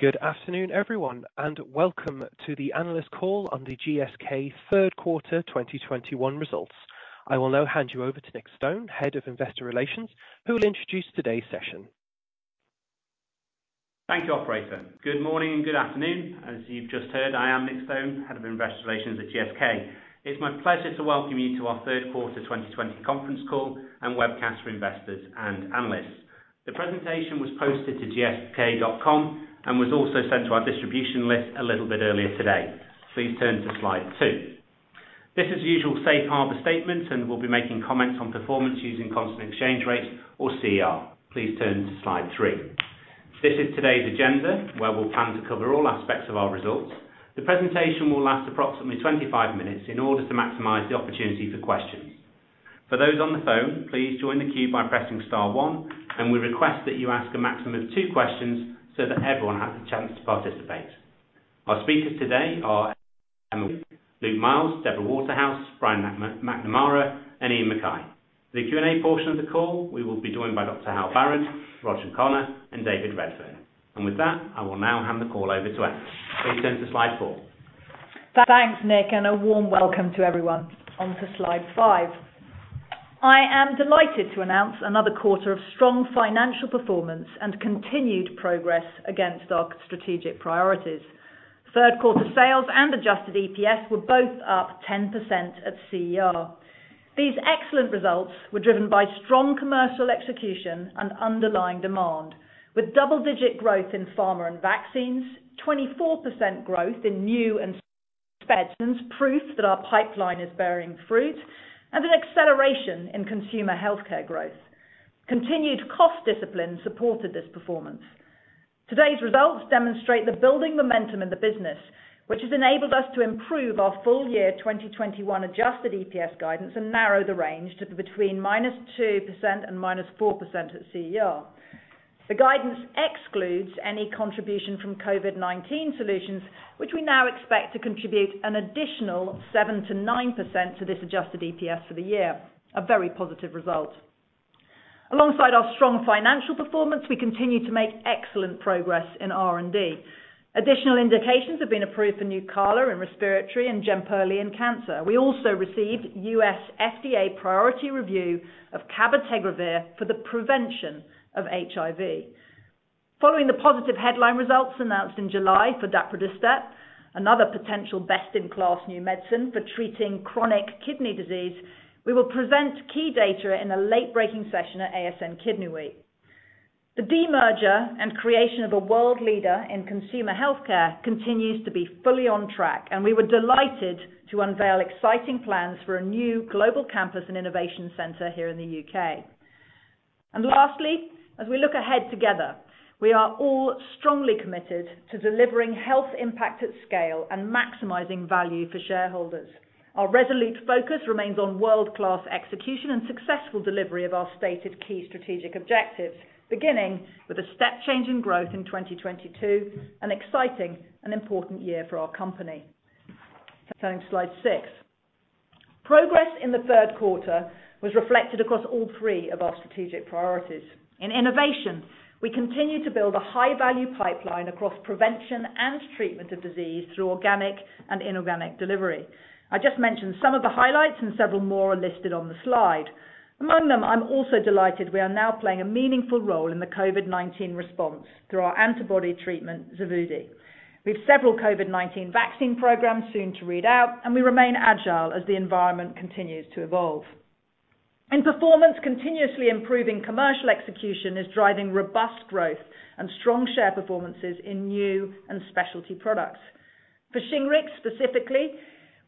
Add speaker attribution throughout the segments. Speaker 1: Good afternoon, everyone, and welcome to the analyst call on the GSK Third Quarter 2021 Results. I will now hand you over to Nick Stone, Head of Investor Relations, who will introduce today's session.
Speaker 2: Thank you, operator. Good morning and good afternoon. As you've just heard, I am Nick Stone, Head of Investor Relations at GSK. It's my pleasure to welcome you to our third quarter 2020 conference call and webcast for investors and analysts. The presentation was posted to gsk.com and was also sent to our distribution list a little bit earlier today. Please turn to slide two. This is the usual safe harbor statement, and we'll be making comments on performance using constant exchange rates or CER. Please turn to slide three. This is today's agenda, where we'll plan to cover all aspects of our results. The presentation will last approximately 25 minutes in order to maximize the opportunity for questions. For those on the phone, please join the queue by pressing star one, and we request that you ask a maximum of two questions so that everyone has a chance to participate. Our speakers today are Emma, Luke Miels, Deborah Waterhouse, Brian McNamara, and Iain Mackay. In the Q&A portion of the call, we will be joined by Dr. Hal Barron, Roger Connor, and David Redfern. With that, I will now hand the call over to Emma. Please turn to slide four.
Speaker 3: Thanks, Nick, and a warm welcome to everyone. On to slide five. I am delighted to announce another quarter of strong financial performance and continued progress against our strategic priorities. Third quarter sales and adjusted EPS were both up 10% at CER. These excellent results were driven by strong commercial execution and underlying demand. With double-digit growth in pharma and vaccines, 24% growth in new and expansions, proof that our pipeline is bearing fruit, and an acceleration in consumer healthcare growth. Continued cost discipline supported this performance. Today's results demonstrate the building momentum in the business, which has enabled us to improve our full year 2021 adjusted EPS guidance and narrow the range to between -2% and -4% at CER. The guidance excludes any contribution from COVID-19 solutions, which we now expect to contribute an additional 7%-9% to this adjusted EPS for the year. A very positive result. Alongside our strong financial performance, we continue to make excellent progress in R&D. Additional indications have been approved for Nucala in respiratory and Jemperli in cancer. We also received U.S. FDA priority review of cabotegravir for the prevention of HIV. Following the positive headline results announced in July for daprodustat, another potential best-in-class new medicine for treating chronic kidney disease, we will present key data in a late-breaking session at ASN Kidney Week. The demerger and creation of a world leader in consumer healthcare continues to be fully on track, and we were delighted to unveil exciting plans for a new global campus and innovation center here in the U.K. Lastly, as we look ahead together, we are all strongly committed to delivering health impact at scale and maximizing value for shareholders. Our resolute focus remains on world-class execution and successful delivery of our stated key strategic objectives, beginning with a step change in growth in 2022, an exciting and important year for our company. Turning to slide six. Progress in the third quarter was reflected across all three of our strategic priorities. In innovation, we continue to build a high-value pipeline across prevention and treatment of disease through organic and inorganic delivery. I just mentioned some of the highlights and several more are listed on the slide. Among them, I'm also delighted we are now playing a meaningful role in the COVID-19 response through our antibody treatment, Xevudy. We have several COVID-19 vaccine programs soon to read out, and we remain agile as the environment continues to evolve. In performance, continuously improving commercial execution is driving robust growth and strong share performances in new and specialty products. For Shingrix specifically,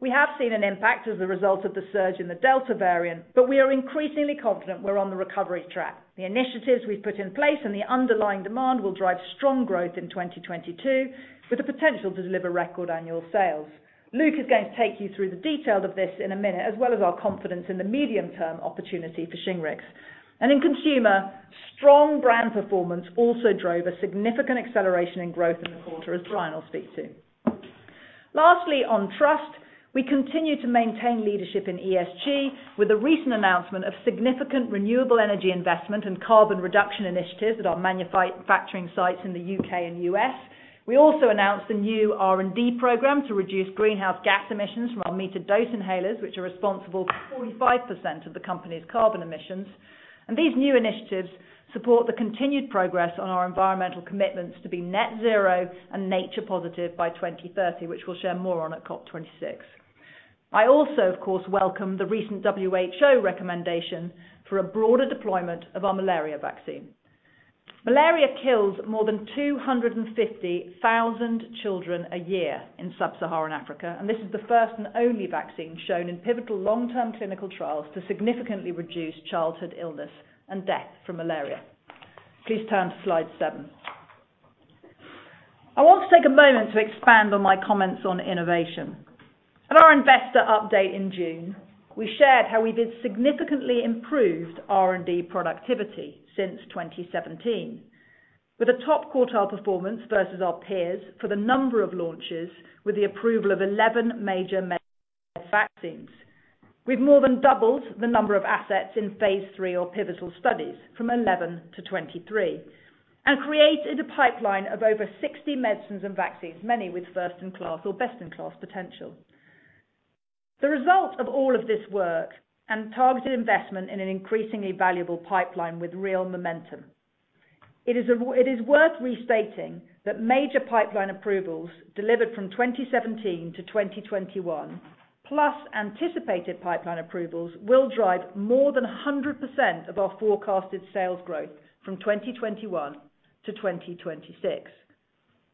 Speaker 3: we have seen an impact as a result of the surge in the Delta variant, but we are increasingly confident we're on the recovery track. The initiatives we've put in place and the underlying demand will drive strong growth in 2022, with the potential to deliver record annual sales. Luke is going to take you through the details of this in a minute, as well as our confidence in the medium-term opportunity for Shingrix. In consumer, strong brand performance also drove a significant acceleration in growth in the quarter, as Brian will speak to. Lastly, on trust, we continue to maintain leadership in ESG with a recent announcement of significant renewable energy investment and carbon reduction initiatives at our manufacturing sites in the U.K. and U.S. We also announced a new R&D program to reduce greenhouse gas emissions from our metered dose inhalers, which are responsible for 45% of the company's carbon emissions. These new initiatives support the continued progress on our environmental commitments to be net zero and nature positive by 2030, which we'll share more on at COP26. I also, of course, welcome the recent WHO recommendation for a broader deployment of our malaria vaccine. Malaria kills more than 250,000 children a year in sub-Saharan Africa, and this is the first and only vaccine shown in pivotal long-term clinical trials to significantly reduce childhood illness and death from malaria. Please turn to slide seven. I want to take a moment to expand on my comments on innovation. At our investor update in June, we shared how we did significantly improved R&D productivity since 2017, with a top quartile performance versus our peers for the number of launches with the approval of 11 major meds and vaccines. We've more than doubled the number of assets in phase III or pivotal studies from 11-23, and created a pipeline of over 60 medicines and vaccines, many with first in class or best in class potential. The result of all of this work and targeted investment in an increasingly valuable pipeline with real momentum. It is worth restating that major pipeline approvals delivered from 2017-2021, plus anticipated pipeline approvals will drive more than 100% of our forecasted sales growth from 2021-2026.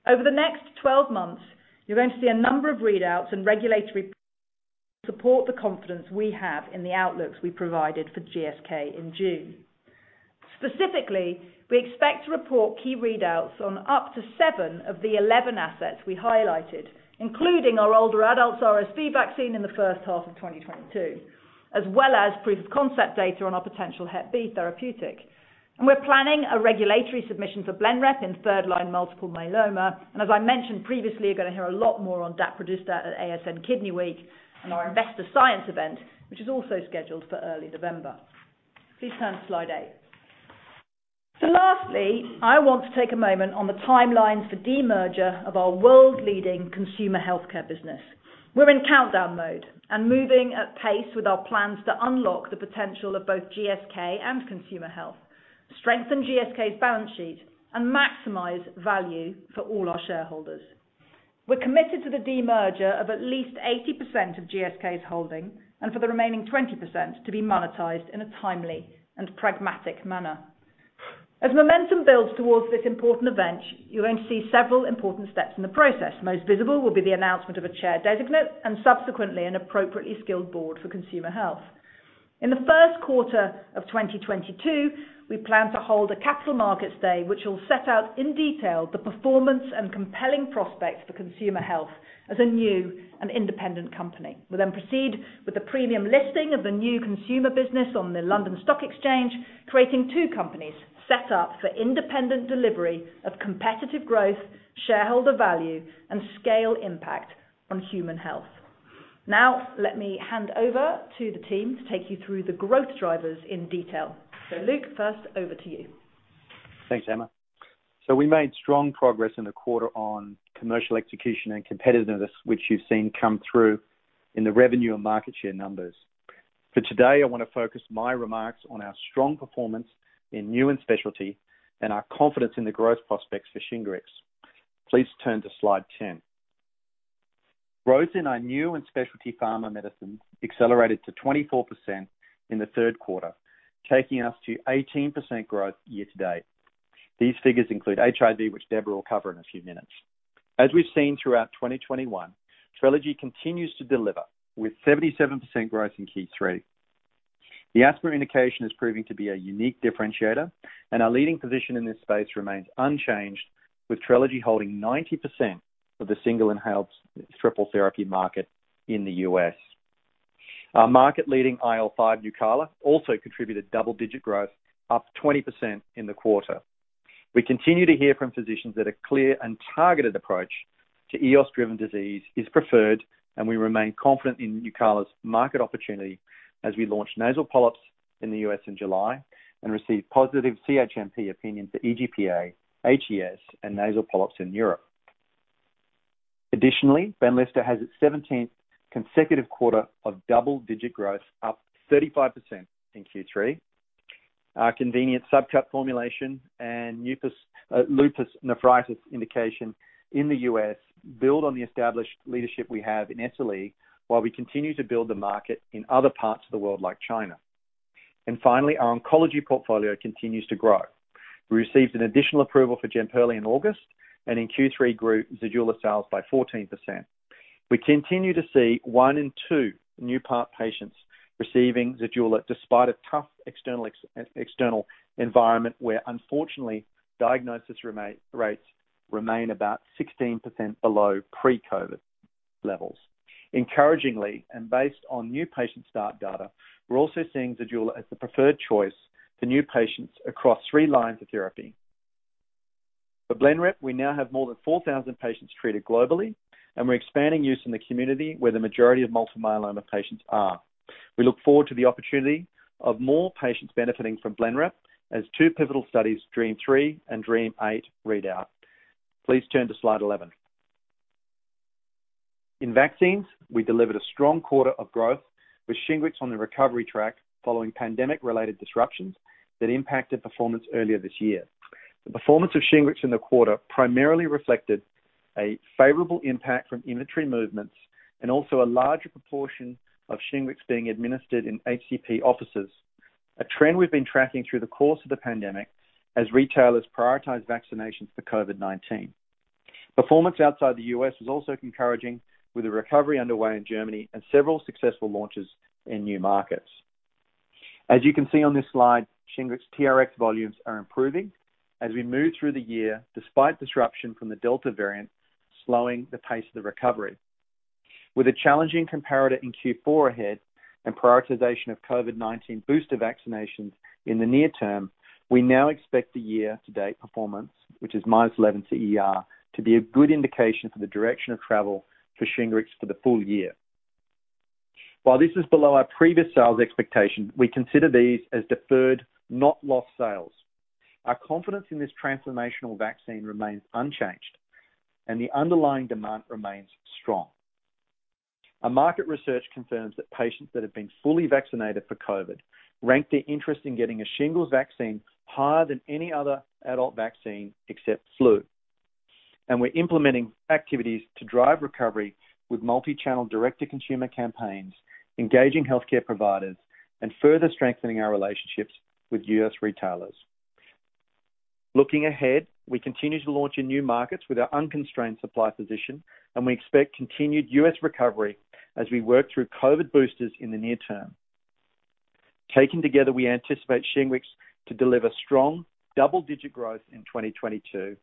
Speaker 3: Over the next 12 months, you're going to see a number of readouts and regulatory support, the confidence we have in the outlooks we provided for GSK in June. Specifically, we expect to report key readouts on up to seven of the 11 assets we highlighted, including our older adults RSV vaccine in the first half of 2022, as well as proof of concept data on our potential Hep B therapeutic. We're planning a regulatory submission for Blenrep in third-line multiple myeloma. As I mentioned previously, you're going to hear a lot more on daprodustat at ASN Kidney Week and our Investor Science event, which is also scheduled for early November. Please turn to slide eight. Lastly, I want to take a moment on the timeline for de-merger of our world leading consumer healthcare business. We're in countdown mode and moving at pace with our plans to unlock the potential of both GSK and Consumer Health, strengthen GSK's balance sheet and maximize value for all our shareholders. We're committed to the de-merger of at least 80% of GSK's holding and for the remaining 20% to be monetized in a timely and pragmatic manner. As momentum builds towards this important event, you're going to see several important steps in the process. Most visible will be the announcement of a chair designate and subsequently an appropriately skilled board for Consumer Health. In the first quarter of 2022, we plan to hold a Capital Markets day, which will set out in detail the performance and compelling prospects for Consumer Health as a new and independent company. We'll then proceed with the premium listing of the new consumer business on the London Stock Exchange, creating two companies set up for independent delivery of competitive growth, shareholder value, and scale impact on human health. Now, let me hand over to the team to take you through the growth drivers in detail. Luke, first, over to you.
Speaker 4: Thanks, Emma. We made strong progress in the quarter on commercial execution and competitiveness, which you've seen come through in the revenue and market share numbers. For today, I want to focus my remarks on our strong performance in new and specialty and our confidence in the growth prospects for Shingrix. Please turn to slide 10. Growth in our new and specialty pharma medicines accelerated to 24% in the third quarter, taking us to 18% growth year to date. These figures include HIV, which Deborah will cover in a few minutes. As we've seen throughout 2021, Trelegy continues to deliver with 77% growth in Q3. The asthma indication is proving to be a unique differentiator, and our leading position in this space remains unchanged, with Trelegy holding 90% of the single inhaled triple therapy market in the U.S. Our market leading IL-5 Nucala also contributed double-digit growth, up 20% in the quarter. We continue to hear from physicians that a clear and targeted approach to EOS driven disease is preferred, and we remain confident in Nucala's market opportunity as we launch nasal polyps in the U.S. in July and receive positive CHMP opinion for EGPA, HES and nasal polyps in Europe. Additionally, Benlysta has its 17th consecutive quarter of double-digit growth, up 35% in Q3. Our convenient subcut formulation and lupus nephritis indication in the U.S. build on the established leadership we have in SLE, while we continue to build the market in other parts of the world, like China. Finally, our oncology portfolio continues to grow. We received an additional approval for Jemperli in August and in Q3 grew Zejula sales by 14%. We continue to see one in two new PARP patients receiving Zejula despite a tough external environment where unfortunately diagnosis rates remain about 16% below pre-COVID levels. Encouragingly, based on new patient start data, we're also seeing Zejula as the preferred choice for new patients across three lines of therapy. For Blenrep, we now have more than 4,000 patients treated globally, and we're expanding use in the community where the majority of multiple myeloma patients are. We look forward to the opportunity of more patients benefiting from Blenrep as two pivotal studies, DREAMM-3 and DREAMM-8 read out. Please turn to slide 11. In vaccines, we delivered a strong quarter of growth with Shingrix on the recovery track following pandemic related disruptions that impacted performance earlier this year. The performance of Shingrix in the quarter primarily reflected a favorable impact from inventory movements and also a larger proportion of Shingrix being administered in HCP offices, a trend we've been tracking through the course of the pandemic as retailers prioritize vaccinations for COVID-19. Performance outside the U.S. is also encouraging with a recovery underway in Germany and several successful launches in new markets. As you can see on this slide, Shingrix TRX volumes are improving as we move through the year, despite disruption from the Delta variant slowing the pace of the recovery. With a challenging comparator in Q4 ahead and prioritization of COVID-19 booster vaccinations in the near term, we now expect the year-to-date performance, which is -11 CER, to be a good indication for the direction of travel for Shingrix for the full year. While this is below our previous sales expectation, we consider these as deferred, not lost sales. Our confidence in this transformational vaccine remains unchanged, and the underlying demand remains strong. Our market research confirms that patients that have been fully vaccinated for COVID rank their interest in getting a shingles vaccine higher than any other adult vaccine except flu. We're implementing activities to drive recovery with multi-channel direct-to-consumer campaigns, engaging healthcare providers, and further strengthening our relationships with U.S. retailers. Looking ahead, we continue to launch in new markets with our unconstrained supply position, and we expect continued U.S. recovery as we work through COVID boosters in the near term. Taken together, we anticipate Shingrix to deliver strong double-digit growth in 2022,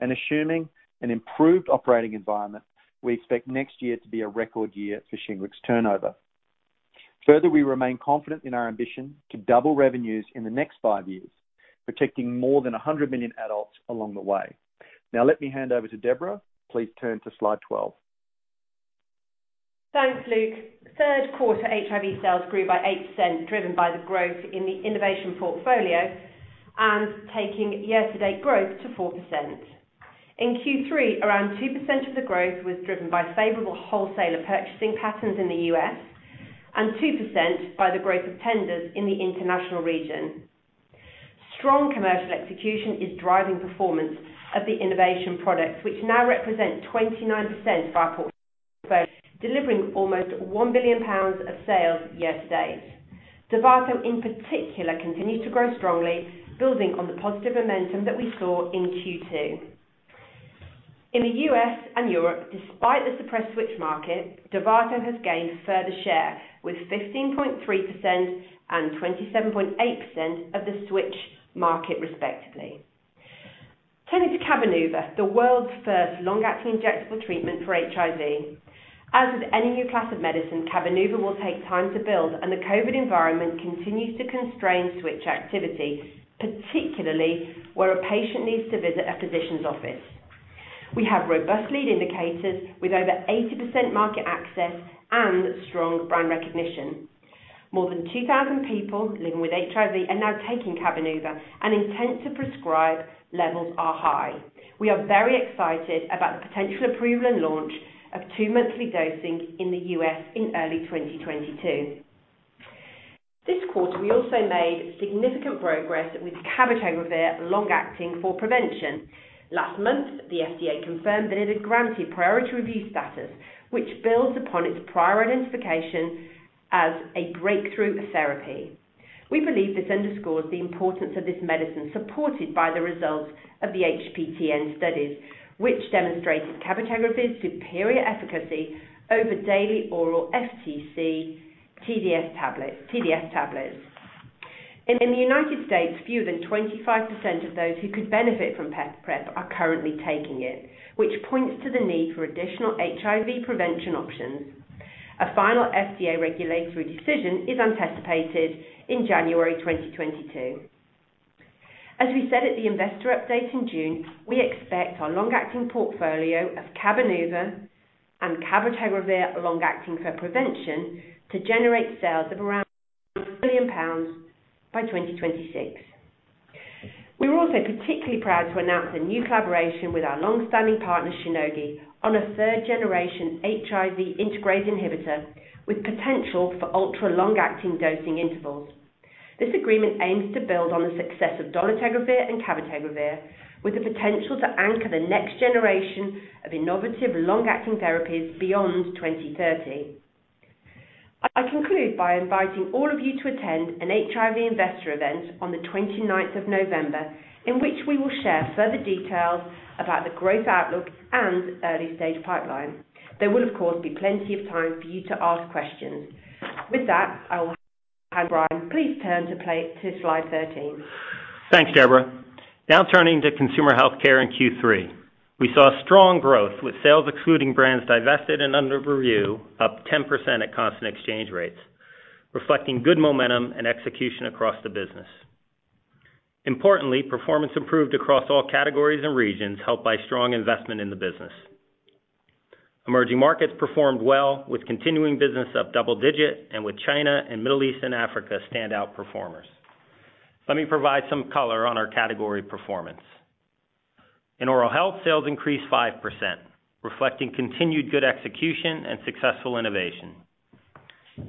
Speaker 4: and assuming an improved operating environment, we expect next year to be a record year for Shingrix turnover. Further, we remain confident in our ambition to double revenues in the next five years, protecting more than 100 million adults along the way. Now let me hand over to Deborah. Please turn to slide 12.
Speaker 5: Thanks, Luke. Third quarter HIV sales grew by 8%, driven by the growth in the innovation portfolio and taking year-to-date growth to 4%. In Q3, around 2% of the growth was driven by favorable wholesaler purchasing patterns in the U.S. and 2% by the growth of tenders in the international region. Strong commercial execution is driving performance of the innovation products, which now represent 29% of our portfolio, delivering almost 1 billion pounds of sales year-to-date. Dovato, in particular, continues to grow strongly, building on the positive momentum that we saw in Q2. In the U.S. and Europe, despite the suppressed switch market, Dovato has gained further share with 15.3% and 27.8% of the switch market respectively. Turning to Cabenuva, the world's first long-acting injectable treatment for HIV. As with any new class of medicine, Cabenuva will take time to build, and the COVID environment continues to constrain switch activity, particularly where a patient needs to visit a physician's office. We have robust lead indicators with over 80% market access and strong brand recognition. More than 2,000 people living with HIV are now taking Cabenuva and intent to prescribe levels are high. We are very excited about the potential approval and launch of two-monthly dosing in the U.S. in early 2022. This quarter, we also made significant progress with cabotegravir long-acting for prevention. Last month, the FDA confirmed that it had granted priority review status, which builds upon its prior identification as a breakthrough therapy. We believe this underscores the importance of this medicine, supported by the results of the HPTN studies, which demonstrated cabotegravir's superior efficacy over daily oral FTC/TDF tablets. In the United States, fewer than 25% of those who could benefit from PrEP are currently taking it, which points to the need for additional HIV prevention options. A final FDA regulatory decision is anticipated in January 2022. As we said at the investor update in June, we expect our long-acting portfolio of Cabenuva and cabotegravir long-acting for prevention to generate sales of around 1 billion pounds by 2026. We're also particularly proud to announce a new collaboration with our long-standing partner, Shionogi, on a third-generation HIV integrase inhibitor with potential for ultra-long acting dosing intervals. This agreement aims to build on the success of dolutegravir and cabotegravir, with the potential to anchor the next generation of innovative long-acting therapies beyond 2030. I conclude by inviting all of you to attend an HIV investor event on the twenty-ninth of November, in which we will share further details about the growth outlook and early-stage pipeline. There will, of course, be plenty of time for you to ask questions. With that, I will hand over to Brian. Please turn to slide 13.
Speaker 6: Thanks, Deborah. Now turning to consumer healthcare in Q3. We saw strong growth with sales excluding brands divested and under review, up 10% at constant exchange rates, reflecting good momentum and execution across the business. Importantly, performance improved across all categories and regions, helped by strong investment in the business. Emerging markets performed well, with continuing business up double-digit and with China, Middle East, and Africa standout performers. Let me provide some color on our category performance. In oral health, sales increased 5%, reflecting continued good execution and successful innovation.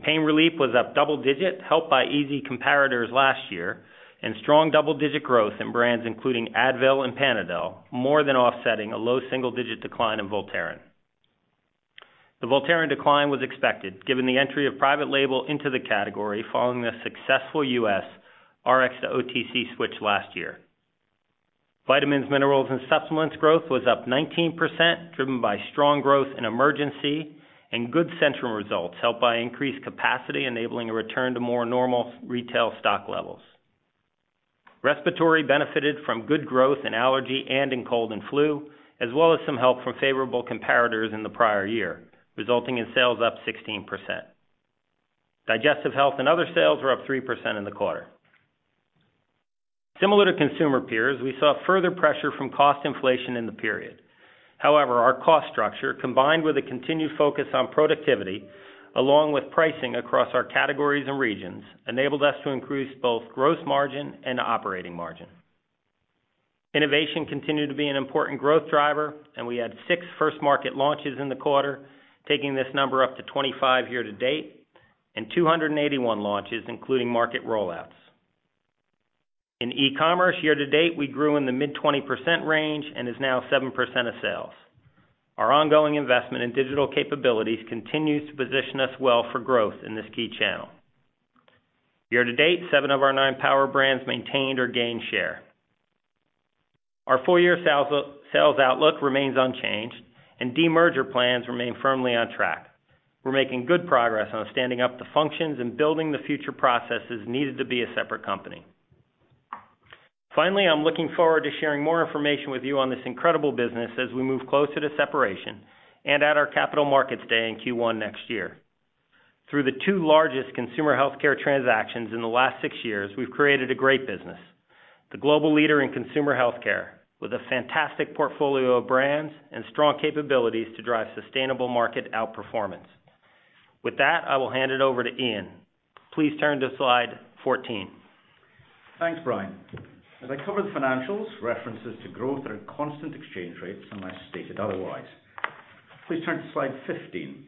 Speaker 6: Pain relief was up double-digit, helped by easy comparables last year and strong double-digit growth in brands including Advil and Panadol, more than offsetting a low single-digit decline in Voltaren. The Voltaren decline was expected given the entry of private label into the category following the successful U.S. Rx-to-OTC switch last year. Vitamins, minerals, and supplements growth was up 19%, driven by strong growth in Emergen-C and good Centrum results helped by increased capacity, enabling a return to more normal retail stock levels. Respiratory benefited from good growth in allergy and in cold and flu, as well as some help from favorable comparators in the prior year, resulting in sales up 16%. Digestive health and other sales were up 3% in the quarter. Similar to consumer peers, we saw further pressure from cost inflation in the period. However, our cost structure, combined with a continued focus on productivity, along with pricing across our categories and regions, enabled us to increase both gross margin and operating margin. Innovation continued to be an important growth driver, and we had six first-market launches in the quarter, taking this number up to 25 year-to-date and 281 launches, including market rollouts. In e-commerce year-to-date, we grew in the mid-20% range and is now 7% of sales. Our ongoing investment in digital capabilities continues to position us well for growth in this key channel. Year-to-date, seven of our nine power brands maintained or gained share. Our full year sales outlook remains unchanged and de-merger plans remain firmly on track. We're making good progress on standing up the functions and building the future processes needed to be a separate company. Finally, I'm looking forward to sharing more information with you on this incredible business as we move closer to separation and at our Capital Markets Day in Q1 next year. Through the two largest consumer healthcare transactions in the last six years, we've created a great business. The global leader in consumer healthcare with a fantastic portfolio of brands and strong capabilities to drive sustainable market outperformance. With that, I will hand it over to Iain. Please turn to slide 14.
Speaker 7: Thanks, Brian. As I cover the financials, references to growth are at constant exchange rates, unless stated otherwise. Please turn to slide 15.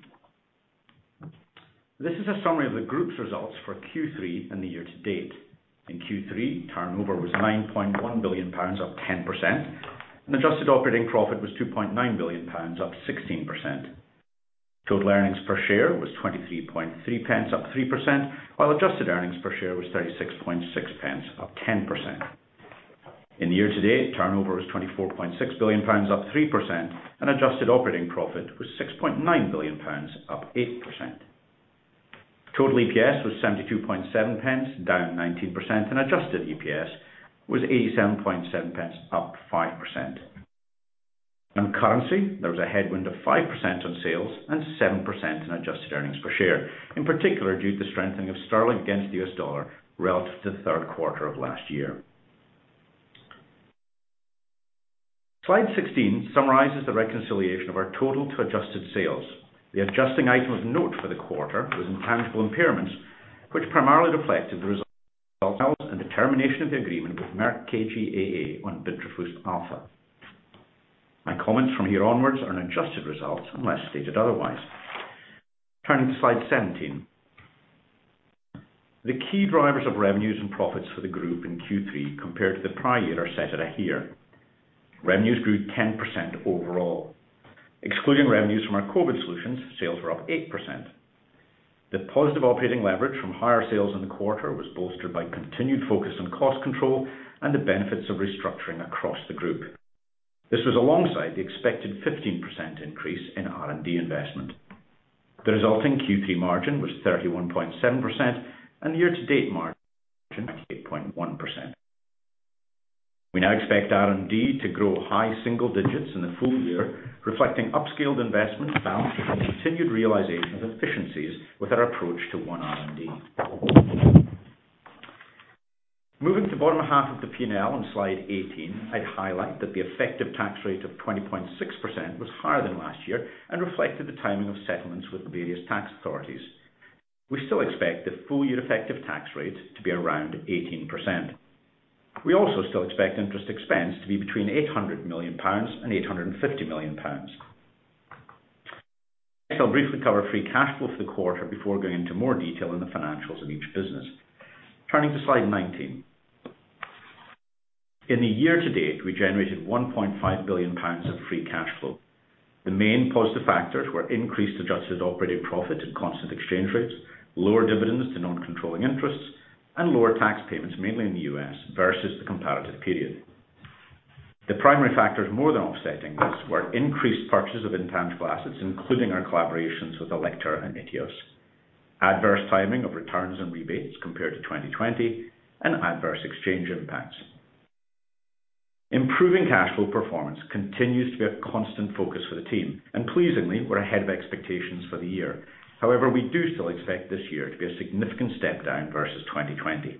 Speaker 7: This is a summary of the group's results for Q3 and the year-to-date. In Q3, turnover was 9.1 billion pounds, up 10%, and adjusted operating profit was 2.9 billion pounds, up 16%. Total earnings per share was 23.3 pence, up 3%, while adjusted earnings per share was 36.6 pence, up 10%. In the year-to-date, turnover was 24.6 billion pounds, up 3%, and adjusted operating profit was 6.9 billion pounds, up 8%. Total EPS was 72.7 pence, down 19%, and adjusted EPS was 87.7 pence, up 5%. On currency, there was a headwind of 5% on sales and 7% in adjusted earnings per share, in particular due to the strengthening of sterling against the U.S. dollar relative to the third quarter of last year. Slide 16 summarizes the reconciliation of our total to adjusted sales. The adjusting item of note for the quarter was intangible impairments, which primarily reflected the results in the termination of the agreement with Merck KGaA on bintrafusp alfa. My comments from here onwards are on adjusted results, unless stated otherwise. Turning to slide 17. The key drivers of revenues and profits for the group in Q3 compared to the prior year are set out here. Revenues grew 10% overall. Excluding revenues from our COVID solutions, sales were up 8%. The positive operating leverage from higher sales in the quarter was bolstered by continued focus on cost control and the benefits of restructuring across the group. This was alongside the expected 15% increase in R&D investment. The resulting Q3 margin was 31.7% and year-to-date margin at 8.1%. We now expect R&D to grow high single digits in the full year, reflecting upscaled investments balanced with the continued realization of efficiencies with our approach to One R&D. Moving to bottom half of the P&L on slide 18, I'd highlight that the effective tax rate of 20.6% was higher than last year and reflected the timing of settlements with the various tax authorities. We still expect the full year effective tax rate to be around 18%. We also still expect interest expense to be between 800 million pounds and 850 million pounds. Next, I'll briefly cover free cash flow for the quarter before going into more detail on the financials of each business. Turning to slide 19. In the year-to-date, we generated 1.5 billion pounds of free cash flow. The main positive factors were increased adjusted operating profit at constant exchange rates, lower dividends to non-controlling interests, and lower tax payments mainly in the U.S. versus the comparative period. The primary factors more than offsetting this were increased purchases of intangible assets, including our collaborations with Elekta and iTeos, adverse timing of returns and rebates compared to 2020, and adverse exchange impacts. Improving cash flow performance continues to be a constant focus for the team. Pleasingly, we're ahead of expectations for the year. However, we do still expect this year to be a significant step down versus 2020.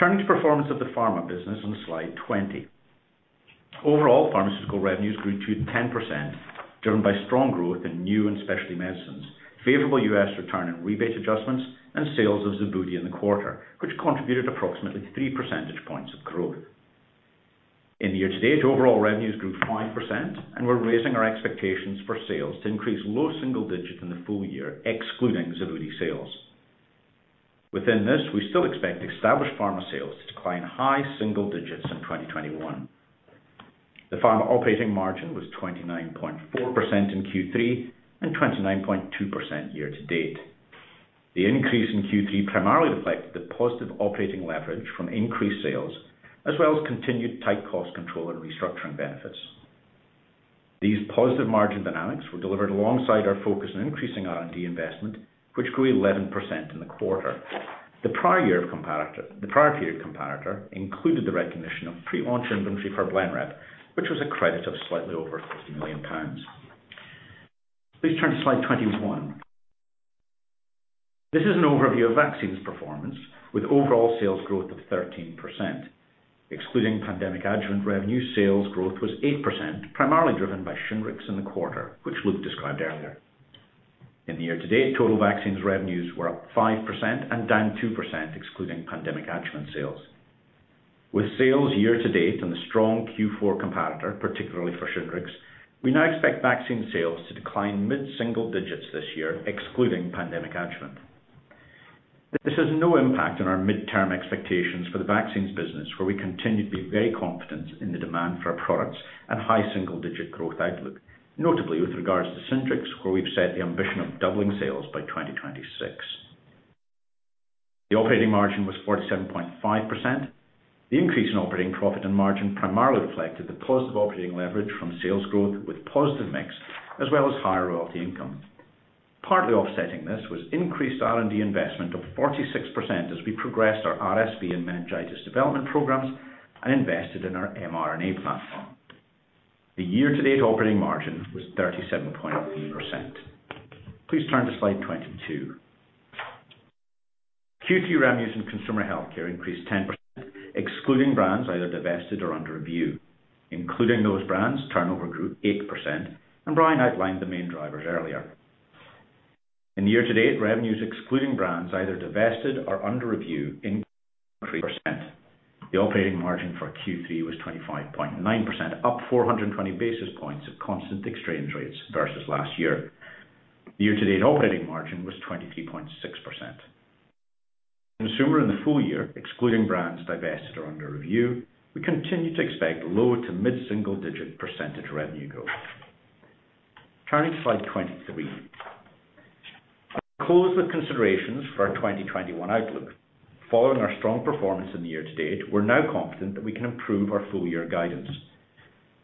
Speaker 7: Turning to performance of the pharma business on slide 20. Overall, pharmaceutical revenues grew 10%, driven by strong growth in new and specialty medicines, favorable U.S. return and rebate adjustments, and sales of Zejula in the quarter, which contributed approximately 3 percentage points of growth. Year-to-date, overall revenues grew 5%, and we're raising our expectations for sales to increase low single digit in the full year, excluding Zejula sales. Within this, we still expect established pharma sales to decline high single digits in 2021. The pharma operating margin was 29.4% in Q3 and 29.2% year-to-date. The increase in Q3 primarily reflected the positive operating leverage from increased sales as well as continued tight cost control and restructuring benefits. These positive margin dynamics were delivered alongside our focus on increasing R&D investment, which grew 11% in the quarter. The prior period comparator included the recognition of pre-launch inventory for Blenrep, which was a credit of slightly over 50 million pounds. Please turn to slide 21. This is an overview of Vaccines performance with overall sales growth of 13%. Excluding pandemic adjuvant revenue, sales growth was 8%, primarily driven by Shingrix in the quarter, which Luke described earlier. In the year-to-date, total vaccines revenues were up 5% and down 2%, excluding pandemic adjuvant sales. With sales year-to-date and the strong Q4 comparator, particularly for Shingrix, we now expect vaccine sales to decline mid-single digits this year, excluding pandemic adjuvant. This has no impact on our midterm expectations for the vaccines business, where we continue to be very confident in the demand for our products and high single-digit growth outlook, notably with regards to Centrum, where we've set the ambition of doubling sales by 2026. The operating margin was 47.5%. The increase in operating profit and margin primarily reflected the positive operating leverage from sales growth with positive mix as well as higher royalty income. Partly offsetting this was increased R&D investment of 46% as we progressed our RSV and meningitis development programs and invested in our mRNA platform. The year-to-date operating margin was 37.3%. Please turn to slide 22. Q2 revenues in consumer healthcare increased 10%, excluding brands either divested or under review. Including those brands, turnover grew 8%, and Brian outlined the main drivers earlier. Year-to-date, revenues excluding brands either divested or under review increased 3%. The operating margin for Q3 was 25.9%, up 420 basis points at constant exchange rates versus last year. Year-to-date operating margin was 23.6%. Consumer, in the full year, excluding brands divested or under review, we continue to expect low to mid-single-digit percentage revenue growth. Turning to slide 23. I'll close with considerations for our 2021 outlook. Following our strong performance in the year-to-date, we're now confident that we can improve our full-year guidance.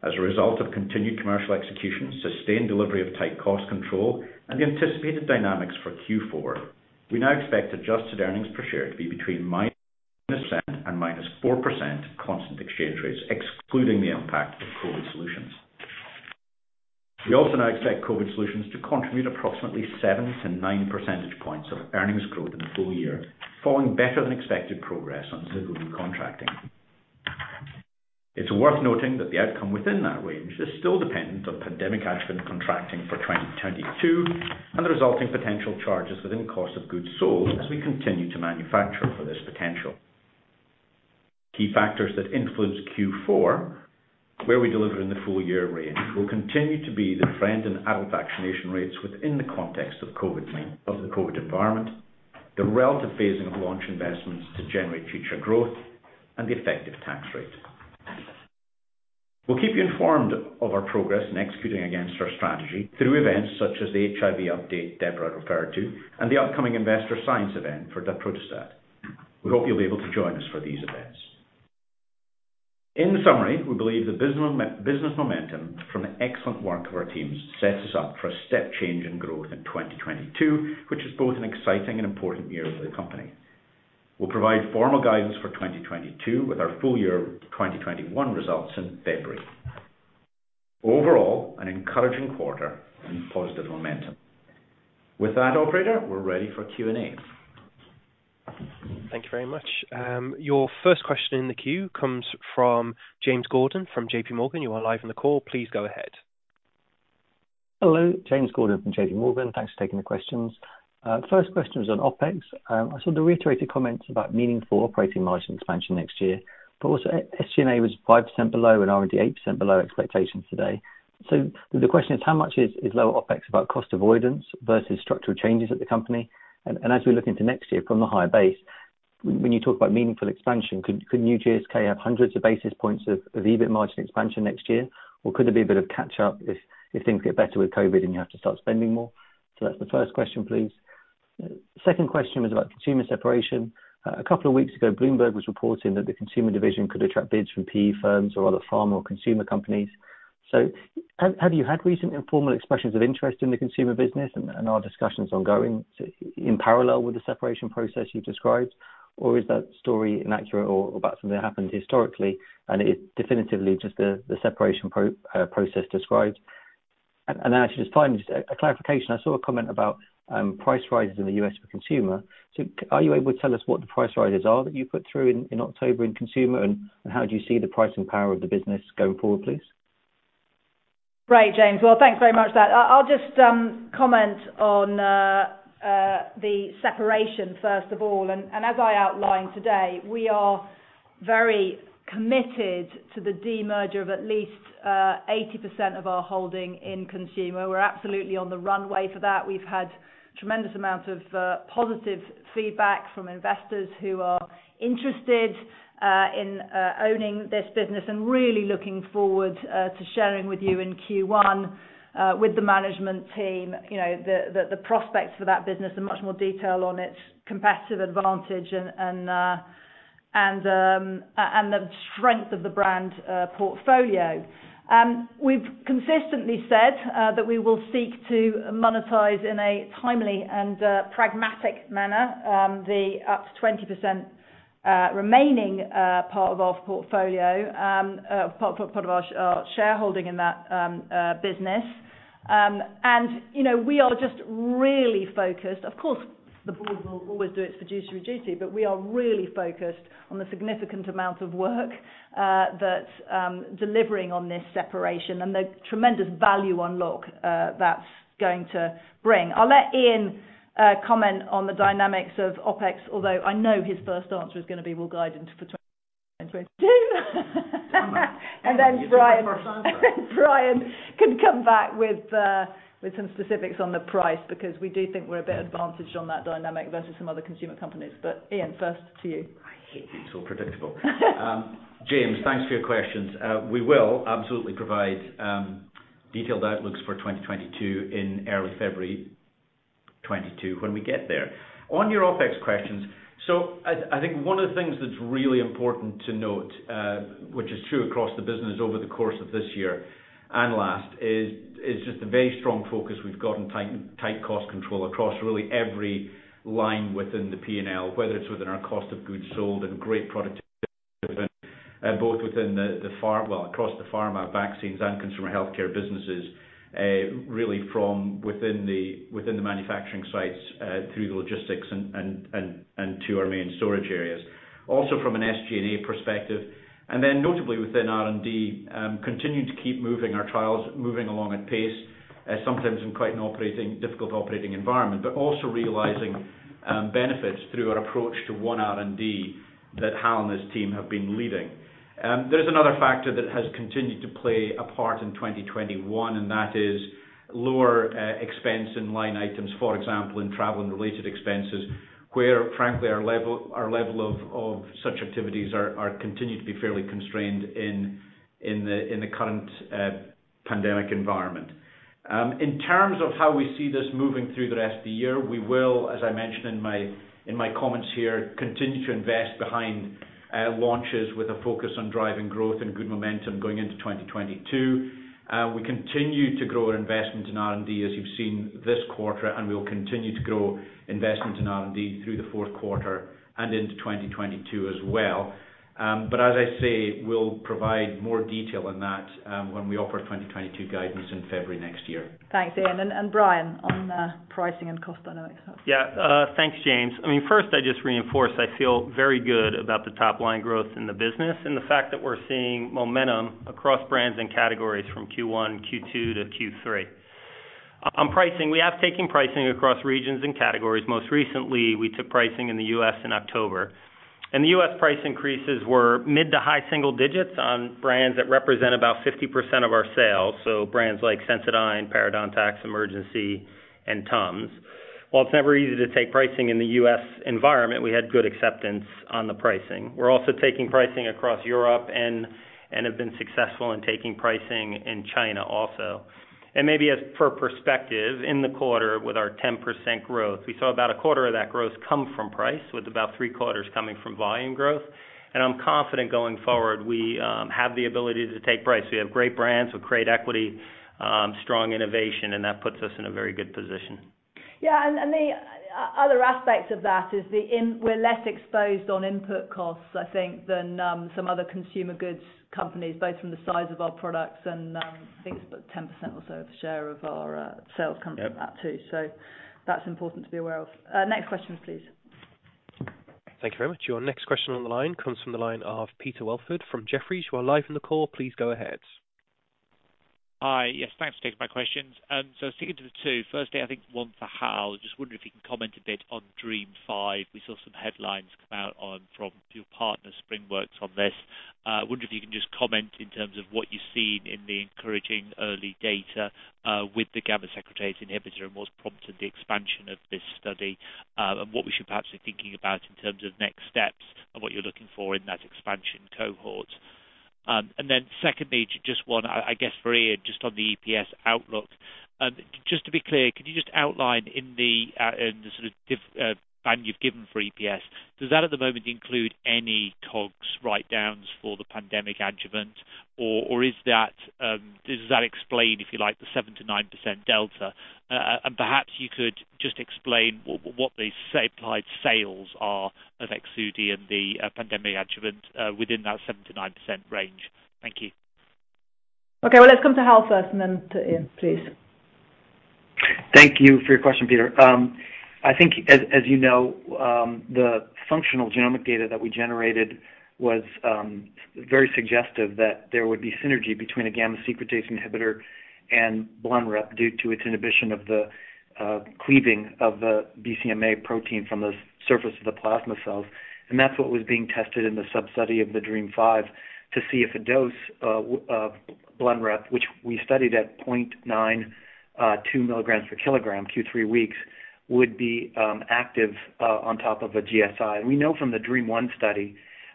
Speaker 7: As a result of continued commercial execution, sustained delivery of tight cost control, and the anticipated dynamics for Q4, we now expect adjusted earnings per share to be between -3% and -4% at constant exchange rates, excluding the impact of COVID solutions. We also now expect COVID solutions to contribute approximately 7 percentage points-9 percentage points of earnings growth in the full year, following better than expected progress on Xevudy contracting. It's worth noting that the outcome within that range is still dependent on pandemic adjunct contracting for 2022 and the resulting potential charges within cost of goods sold as we continue to manufacture for this potential. Key factors that influence Q4, where we deliver in the full-year range, will continue to be the trend in adult vaccination rates within the context of COVID, of the COVID environment, the relative phasing of launch investments to generate future growth, and the effective tax rate. We'll keep you informed of our progress in executing against our strategy through events such as the HIV update Deborah referred to and the upcoming investor science event for daprodustat. We hope you'll be able to join us for these events. In summary, we believe the business momentum from the excellent work of our teams sets us up for a step change in growth in 2022, which is both an exciting and important year for the company. We'll provide formal guidance for 2022 with our full year 2021 results in February. Overall, an encouraging quarter and positive momentum. With that, operator, we're ready for Q&A.
Speaker 1: Thank you very much. Your first question in the queue comes from James Gordon from JPMorgan. You are live on the call. Please go ahead.
Speaker 8: Hello. James Gordon from JPMorgan. Thanks for taking the questions. First question is on OpEx. I saw the reiterated comments about meaningful operating margin expansion next year, but also SG&A was 5% below and R&D 8% below expectations today. The question is, how much is lower OpEx about cost avoidance versus structural changes at the company? As we look into next year from the higher base, when you talk about meaningful expansion, could New GSK have hundreds of basis points of EBIT margin expansion next year? Or could there be a bit of catch-up if things get better with COVID and you have to start spending more? That's the first question, please. Second question was about consumer separation. A couple of weeks ago, Bloomberg was reporting that the consumer division could attract bids from PE firms or other pharma or consumer companies. Have you had recent informal expressions of interest in the consumer business and are discussions ongoing in parallel with the separation process you've described? Or is that story inaccurate or about something that happened historically and it definitively just the separation process described? Actually just finally, a clarification. I saw a comment about price rises in the U.S. for consumer. Are you able to tell us what the price rises are that you put through in October in consumer and how do you see the pricing power of the business going forward, please?
Speaker 3: Right, James. Well, thanks very much for that. I'll just comment on the separation first of all. As I outlined today, we are very committed to the de-merger of at least 80% of our holding in Consumer. We're absolutely on the runway for that. We've had tremendous amounts of positive feedback from investors who are interested in owning this business and really looking forward to sharing with you in Q1 with the management team, you know, the prospects for that business in much more detail on its competitive advantage and the strength of the brand portfolio. We've consistently said that we will seek to monetize in a timely and pragmatic manner the up to 20% remaining part of our portfolio, part of our shareholding in that business. You know, we are just really focused. Of course, the board will always do its fiduciary duty, but we are really focused on the significant amount of work that's delivering on this separation and the tremendous value unlock that's going to bring. I'll let Iain comment on the dynamics of OpEx, although I know his first answer is gonna be we'll guide into for 2022.
Speaker 7: Come on.
Speaker 3: Brian
Speaker 7: Give the people what they want.
Speaker 3: Then Brian can come back with some specifics on the price because we do think we're a bit advantaged on that dynamic versus some other consumer companies. Iain, first to you.
Speaker 7: I hate being so predictable. James, thanks for your questions. We will absolutely provide detailed outlooks for 2022 in early February 2022 when we get there. On your OpEx questions, I think one of the things that's really important to note, which is true across the business over the course of this year and last, is just the very strong focus we've got on tight cost control across really every line within the P&L, whether it's within our cost of goods sold and great productivity both within the pharma, well, across the pharma, vaccines, and consumer healthcare businesses, really from within the manufacturing sites, through the logistics and to our main storage areas. From an SG&A perspective, and then notably within R&D, continuing to keep moving our trials along at pace, sometimes in quite a difficult operating environment, but also realizing benefits through our approach to One R&D that Hal and his team have been leading. There's another factor that has continued to play a part in 2021, and that is lower expense in line items, for example, in travel and related expenses, where frankly our level of such activities are continuing to be fairly constrained in the current pandemic environment. In terms of how we see this moving through the rest of the year, we will, as I mentioned in my comments here, continue to invest behind launches with a focus on driving growth and good momentum going into 2022. We continue to grow our investment in R&D, as you've seen this quarter, and we will continue to grow investment in R&D through the fourth quarter and into 2022 as well. As I say, we'll provide more detail on that when we offer 2022 guidance in February next year.
Speaker 3: Thanks Iain, and Brian on pricing and cost dynamics.
Speaker 6: Yeah. Thanks, James. I mean, first I just reinforce I feel very good about the top line growth in the business and the fact that we're seeing momentum across brands and categories from Q1, Q2, to Q3. On pricing, we have taken pricing across regions and categories. Most recently, we took pricing in the U.S. in October. The U.S. price increases were mid to high single digits on brands that represent about 50% of our sales, so brands like Sensodyne, Parodontax, Emergen-C, and Tums. While it's never easy to take pricing in the U.S. environment, we had good acceptance on the pricing. We're also taking pricing across Europe and have been successful in taking pricing in China also. Maybe as for perspective, in the quarter with our 10% growth, we saw about a quarter of that growth come from price, with about three quarters coming from volume growth. I'm confident going forward we have the ability to take price. We have great brands with great equity, strong innovation, and that puts us in a very good position.
Speaker 3: The other aspect of that is we're less exposed on input costs, I think, than some other consumer goods companies, both from the size of our products and, I think it's about 10% or so of share of our sales come-
Speaker 6: Yep
Speaker 3: ...from that too. That's important to be aware of. Next question, please.
Speaker 1: Thank you very much. Your next question on the line comes from the line of Peter Welford from Jefferies. You are live on the call. Please go ahead.
Speaker 9: Hi. Yes, thanks for taking my questions. So sticking to the two. Firstly, I think one for Hal. Just wondering if you can comment a bit on DREAMM-5. We saw some headlines come out from your partner, SpringWorks Therapeutics, on this. Wonder if you can just comment in terms of what you've seen in the encouraging early data with the gamma secretase inhibitor and what's prompted the expansion of this study, and what we should perhaps be thinking about in terms of next steps and what you're looking for in that expansion cohort. And then secondly, just one, I guess, for Iain, just on the EPS outlook. Just to be clear, could you just outline in the sort of guidance you've given for EPS, does that at the moment include any COGS write-downs for the pandemic adjuvant? Is that, if you like, the 7%-9% delta? Perhaps you could just explain what the stabilized sales are of Xevudy and the pandemic adjuvant within that 7%-9% range. Thank you.
Speaker 3: Okay. Well, let's come to Hal first and then to Iain, please.
Speaker 10: Thank you for your question, Peter. I think as you know, the functional genomic data that we generated was very suggestive that there would be synergy between a gamma secretase inhibitor and Blenrep due to its inhibition of the cleaving of the BCMA protein from the surface of the plasma cells. That's what was being tested in the sub-study of the DREAMM-5 to see if a dose Blenrep, which we studied at 0.92 mg per kg, Q3 weeks, would be active on top of a GSI. We know from the DREAMM-1 study,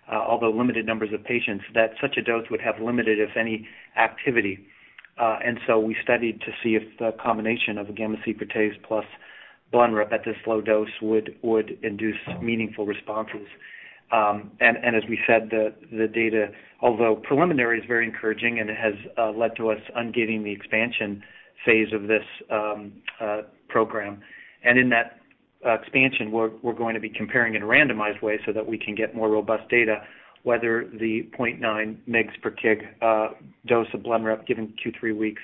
Speaker 10: although limited numbers of patients, that such a dose would have limited, if any, activity. We studied to see if the combination of a gamma secretase plus Blenrep at this low dose would induce meaningful responses. As we said, the data, although preliminary, is very encouraging and it has led to us ungating the expansion phase of this program. In that expansion, we're going to be comparing in a randomized way so that we can get more robust data, whether the 0.9 mg per kg dose of Blenrep given Q3 weeks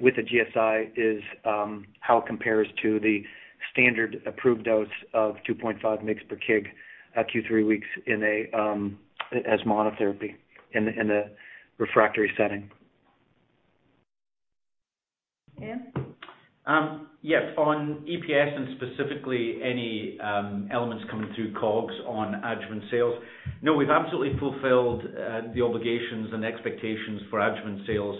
Speaker 10: with the GSI is how it compares to the standard approved dose of 2.5 mg per kg at Q3 weeks as monotherapy in the refractory setting.
Speaker 3: Iain?
Speaker 7: Yes. On EPS and specifically any elements coming through COGS on adjuvant sales. No, we've absolutely fulfilled the obligations and expectations for adjuvant sales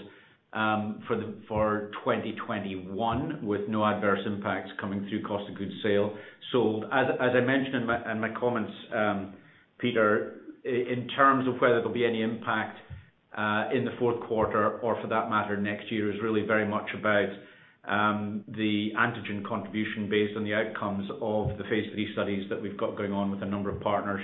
Speaker 7: for 2021 with no adverse impacts coming through cost of goods sold. As I mentioned in my comments, Peter, in terms of whether there'll be any impact in the fourth quarter or for that matter next year is really very much about the antigen contribution based on the outcomes of the phase III studies that we've got going on with a number of partners,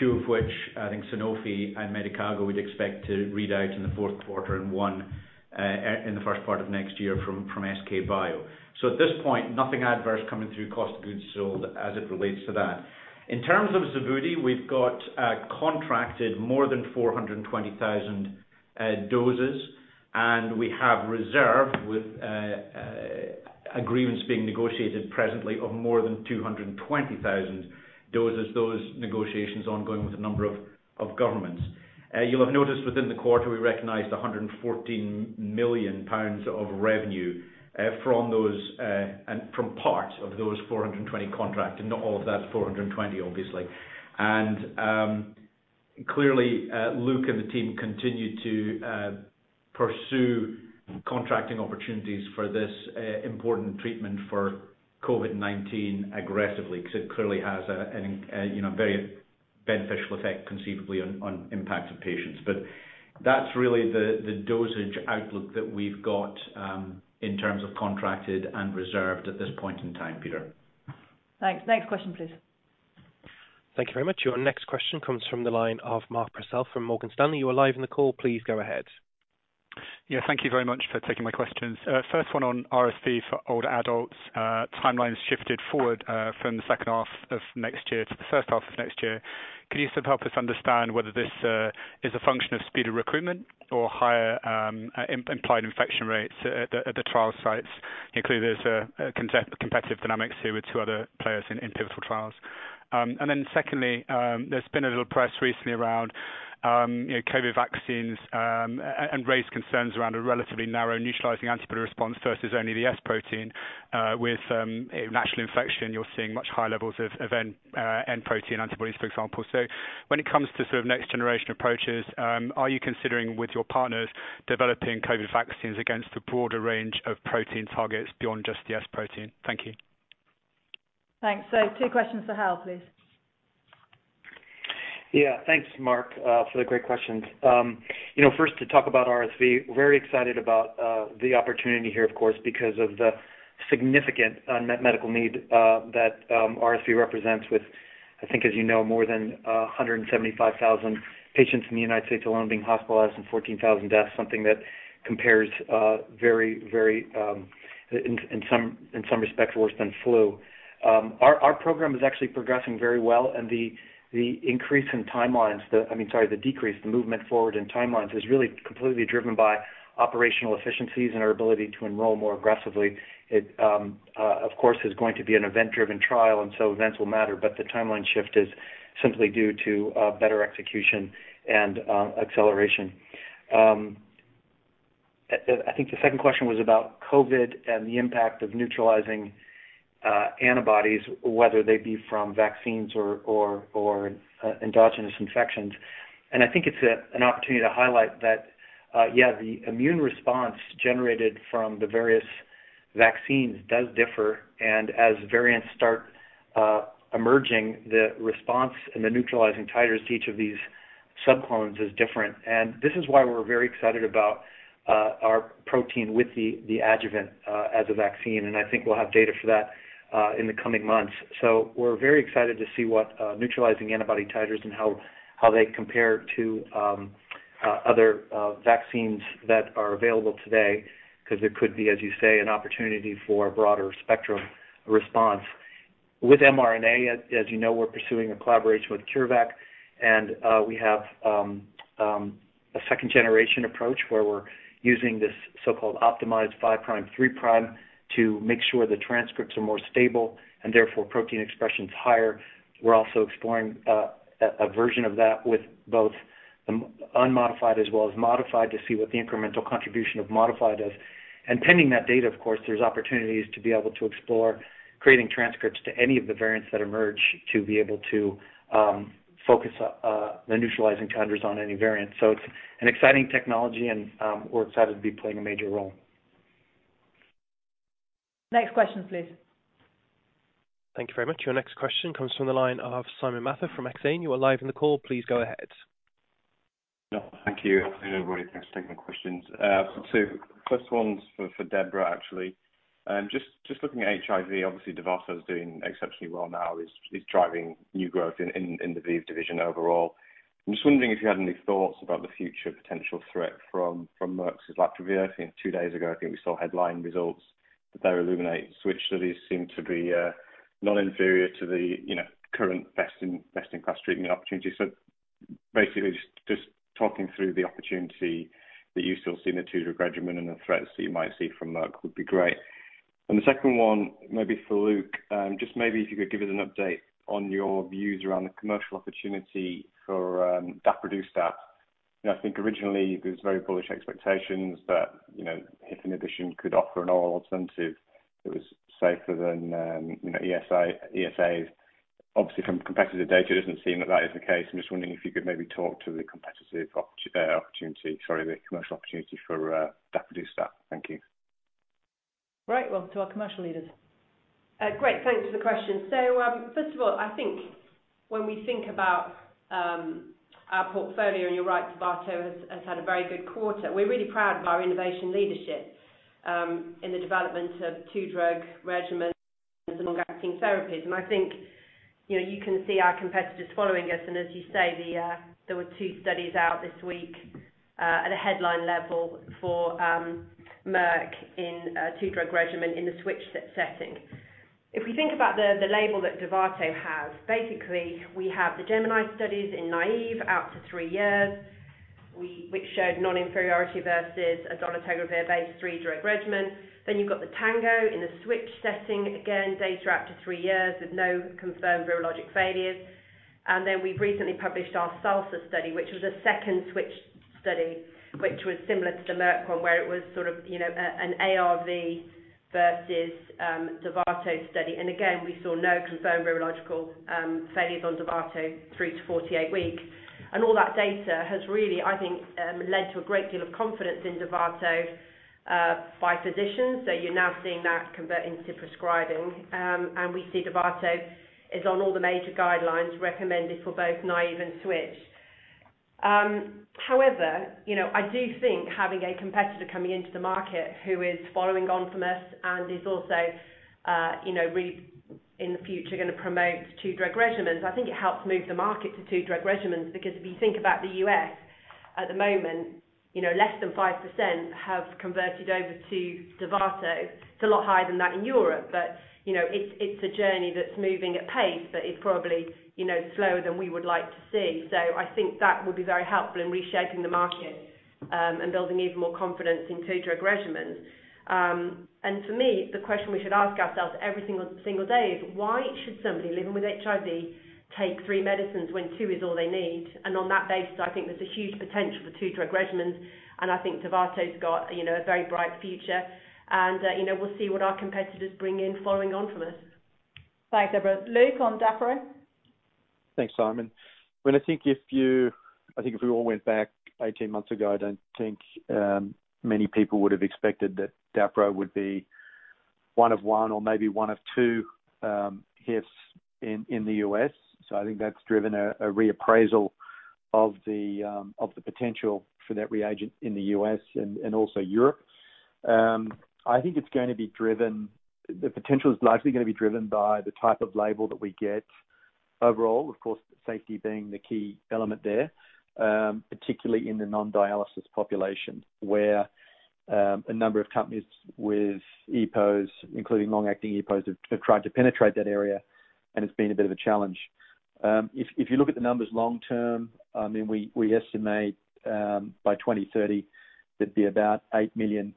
Speaker 7: two of which I think Sanofi and Medicago would expect to read out in the fourth quarter and one in the first part of next year from SK bioscience. At this point, nothing adverse coming through cost of goods sold as it relates to that. In terms of Xevudy, we've got contracted more than 420,000 doses, and we have reserved with agreements being negotiated presently of more than 220,000 doses. Those negotiations ongoing with a number of governments. You'll have noticed within the quarter we recognized 114 million pounds of revenue from those and from parts of those 420,000 contracted, not all of that 420,000 obviously. Clearly, Luke and the team continue to pursue contracting opportunities for this important treatment for COVID-19 aggressively because it clearly has a you know very beneficial effect conceivably on impacted patients. That's really the dosage outlook that we've got, in terms of contracted and reserved at this point in time, Peter.
Speaker 3: Thanks. Next question, please.
Speaker 1: Thank you very much. Your next question comes from the line of Mark Purcell from Morgan Stanley. You are live in the call. Please go ahead.
Speaker 11: Yeah, thank you very much for taking my questions. First one on RSV for older adults. Timelines shifted forward from the second half of next year to the first half of next year. Could you sort of help us understand whether this is a function of speed of recruitment or higher implied infection rates at the trial sites? Clearly there's competitive dynamics here with two other players in pivotal trials. Secondly, there's been a little press recently around, you know, COVID vaccines and raised concerns around a relatively narrow neutralizing antibody response versus only the S protein. With a natural infection, you're seeing much higher levels of N protein antibodies, for example. When it comes to sort of next generation approaches, are you considering with your partners developing COVID vaccines against a broader range of protein targets beyond just the S protein? Thank you.
Speaker 3: Thanks. Two questions for Hal, please.
Speaker 10: Yeah, thanks Mark, for the great questions. You know, first to talk about RSV, we're very excited about the opportunity here of course, because of the significant unmet medical need that RSV represents with, I think as you know, more than 175,000 patients in the United States alone being hospitalized and 14,000 deaths, something that compares very in some respects worse than flu. Our program is actually progressing very well and the decrease, the movement forward in timelines is really completely driven by operational efficiencies and our ability to enroll more aggressively. It of course is going to be an event driven trial and so events will matter. The timeline shift is simply due to better execution and acceleration. I think the second question was about COVID and the impact of neutralizing antibodies, whether they be from vaccines or endogenous infections. I think it's an opportunity to highlight that yeah, the immune response generated from the various vaccines does differ. As variants start emerging, the response and the neutralizing titers to each of these sub clones is different. This is why we're very excited about our protein with the adjuvant as a vaccine. I think we'll have data for that in the coming months. We're very excited to see what neutralizing antibody titers and how they compare to other vaccines that are available today. 'Cause there could be, as you say, an opportunity for a broader spectrum response. With mRNA, you know, we're pursuing a collaboration with CureVac and we have a second generation approach where we're using this so-called optimized five prime, three prime to make sure the transcripts are more stable and therefore protein expression's higher. We're also exploring a version of that with both unmodified as well as modified to see what the incremental contribution of modified is. Pending that data, of course, there's opportunities to be able to explore creating transcripts to any of the variants that emerge, to be able to focus the neutralizing titers on any variant. It's an exciting technology and we're excited to be playing a major role.
Speaker 3: Next question, please.
Speaker 1: Thank you very much. Your next question comes from the line of Simon Mather from Exane. You are live in the call. Please go ahead.
Speaker 12: No, thank you. Everybody, thanks for taking the questions. First one's for Deborah actually. Just looking at HIV, obviously Dovato's doing exceptionally well now. Is driving new growth in the ViiV division overall. I'm just wondering if you had any thoughts about the future potential threat from Merck's islatravir. I think two days ago we saw headline results that their ILLUMINATE Switch studies seem to be not inferior to the current best in class treatment opportunities. Basically just talking through the opportunity that you still see in the two-drug regimen and the threats that you might see from Merck would be great. And the second one, maybe for Luke, if you could give us an update on your views around the commercial opportunity for daprodustat. I think originally it was very bullish expectations that, you know, if inhibition could offer an oral alternative that was safer than, you know, ESAs. Obviously from competitive data, it doesn't seem that that is the case. I'm just wondering if you could maybe talk to the competitive opportunity, sorry, the commercial opportunity for daprodustat. Thank you.
Speaker 3: Right. Well, to our commercial leaders.
Speaker 5: Great. Thanks for the question. First of all, I think when we think about our portfolio, and you're right, Dovato has had a very good quarter. We're really proud of our innovation leadership in the development of two-drug regimens and long-acting therapies. I think, you know, you can see our competitors following us. As you say, there were two studies out this week at a headline level for Merck in a two-drug regimen in the switch setting. If we think about the label that Dovato has, basically, we have the GEMINI studies in naive out to three years, which showed non-inferiority versus a dolutegravir-based three-drug regimen. Then you've got the TANGO in the switch setting. Again, data out to three years with no confirmed virologic failures. We've recently published our SALSA study, which was a second switch study, which was similar to the Merck one, where it was sort of, you know, an ARV versus Dovato study. Again, we saw no confirmed virological failures on Dovato 3- to 48-week. All that data has really, I think, led to a great deal of confidence in Dovato by physicians. You're now seeing that convert into prescribing. We see Dovato is on all the major guidelines recommended for both naive and switch. However, you know, I do think having a competitor coming into the market who is following on from us and is also, you know, in the future gonna promote two-drug regimens, I think it helps move the market to two-drug regimens. Because if you think about the U.S., at the moment, you know, less than 5% have converted over to Dovato. It's a lot higher than that in Europe, but, you know, it's a journey that's moving at pace, but it's probably, you know, slower than we would like to see. I think that would be very helpful in reshaping the market, and building even more confidence in two-drug regimens. For me, the question we should ask ourselves every single day is, why should somebody living with HIV take three medicines when two is all they need? On that basis, I think there's a huge potential for two-drug regimens, and I think Dovato's got, you know, a very bright future. We'll see what our competitors bring in following on from us.
Speaker 3: Thanks, Deborah. Luke, on dapro.
Speaker 4: Thanks, Simon. I think if we all went back 18 months ago, I don't think many people would have expected that dapro would be one of one or maybe one of two hits in the U.S. I think that's driven a reappraisal of the potential for that agent in the U.S. and also Europe. I think it's gonna be driven by the type of label that we get overall. Of course, safety being the key element there, particularly in the non-dialysis population, where a number of companies with EPOs, including long-acting EPOs, have tried to penetrate that area, and it's been a bit of a challenge. If you look at the numbers long term, I mean, we estimate by 2030, there'd be about eight million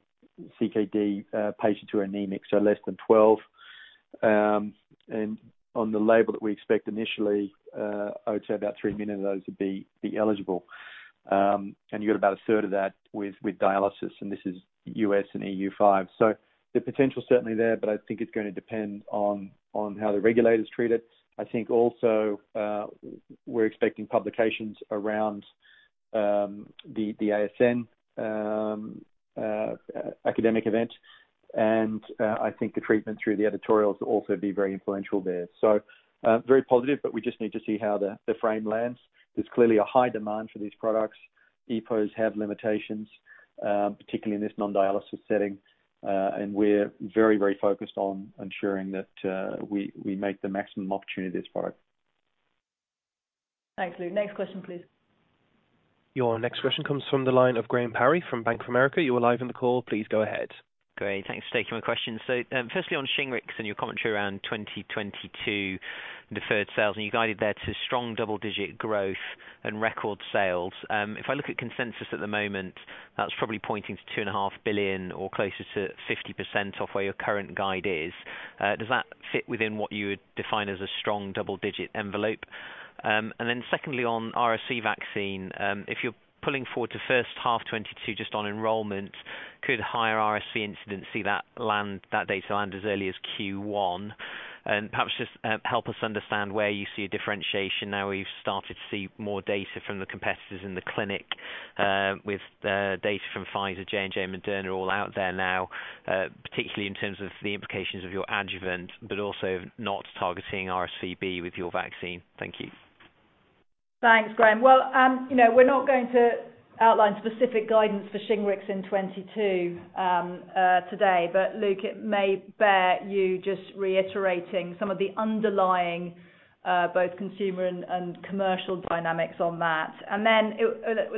Speaker 4: CKD patients who are anemic, so less than 12. And on the label that we expect initially, I would say about three million of those would be eligible. And you got about a third of that with dialysis, and this is U.S. and EU five. The potential's certainly there, but I think it's gonna depend on how the regulators treat it. I think also, we're expecting publications around the ASN academic event. I think the treatment through the editorials will also be very influential there. Very positive, but we just need to see how the frame lands. There's clearly a high demand for these products. EPOs have limitations, particularly in this non-dialysis setting, and we're very, very focused on ensuring that we make the maximum opportunity of this product.
Speaker 3: Thanks, Luke. Next question, please.
Speaker 1: Your next question comes from the line of Graham Parry from Bank of America. You are live on the call. Please go ahead.
Speaker 13: Graham, thanks for taking my question. Firstly on Shingrix and your commentary around 2022 deferred sales, and you guided there to strong double-digit growth and record sales. If I look at consensus at the moment, that's probably pointing to 2.5 billion or closer to 50% off where your current guide is. Does that fit within what you would define as a strong double-digit envelope? And then secondly, on RSV vaccine, if you're pulling forward to first half 2022 just on enrollment, could higher RSV incidence see that data land as early as Q1? Perhaps just help us understand where you see a differentiation now where you've started to see more data from the competitors in the clinic, with the data from Pfizer, J&J, Moderna all out there now, particularly in terms of the implications of your adjuvant, but also not targeting RSV with your vaccine? Thank you.
Speaker 3: Thanks, Graham. Well, you know, we're not going to outline specific guidance for Shingrix in 2022, today, but Luke, it may be worth you just reiterating some of the underlying both consumer and commercial dynamics on that.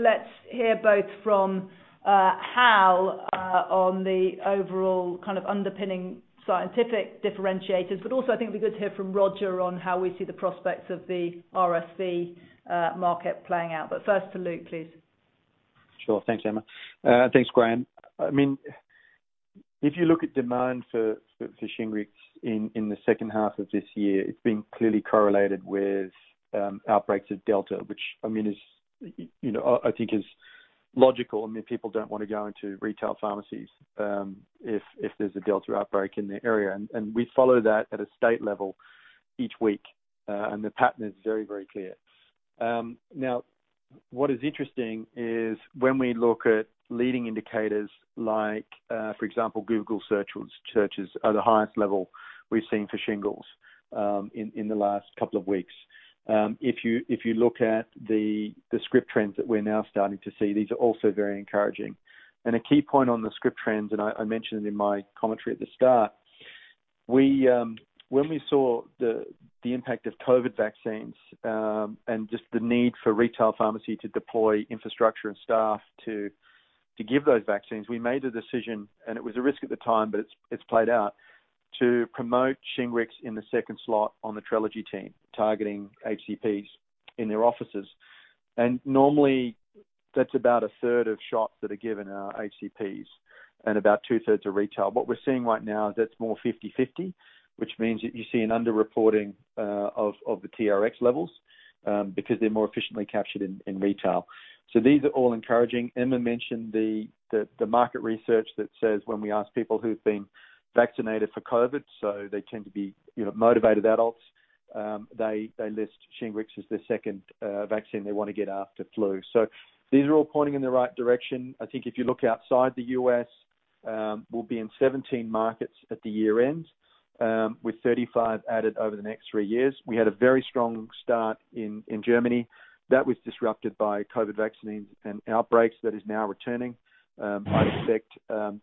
Speaker 3: Let's hear both from Hal on the overall kind of underpinning scientific differentiators, but also I think it'd be good to hear from Roger on how we see the prospects of the RSV market playing out. First to Luke, please.
Speaker 4: Sure. Thanks, Emma. Thanks, Graham. I mean, if you look at demand for Shingrix in the second half of this year, it's been clearly correlated with outbreaks of Delta, which I mean is, you know, I think is logical. I mean, people don't wanna go into retail pharmacies, if there's a Delta outbreak in the area. We follow that at a state level each week, and the pattern is very clear. Now what is interesting is when we look at leading indicators like, for example, Google searches are the highest level we've seen for shingles, in the last couple of weeks. If you look at the script trends that we're now starting to see, these are also very encouraging. A key point on the script trends, and I mentioned it in my commentary at the start, we saw the impact of COVID vaccines and just the need for retail pharmacy to deploy infrastructure and staff to give those vaccines. We made the decision, and it was a risk at the time, but it's played out, to promote Shingrix in the second slot on the Trelegy team, targeting HCPs in their offices. Normally, that's about a third of shots that are given are HCPs and about two thirds are retail. What we're seeing right now is that's more 50/50, which means that you see an under-reporting of the TRX levels because they're more efficiently captured in retail. These are all encouraging. Emma mentioned the market research that says when we ask people who've been vaccinated for COVID, so they tend to be, you know, motivated adults, they list Shingrix as their second vaccine they wanna get after flu. These are all pointing in the right direction. I think if you look outside the U.S., we'll be in 17 markets at the year end, with 35 added over the next three years. We had a very strong start in Germany. That was disrupted by COVID vaccines and outbreaks that is now returning. I expect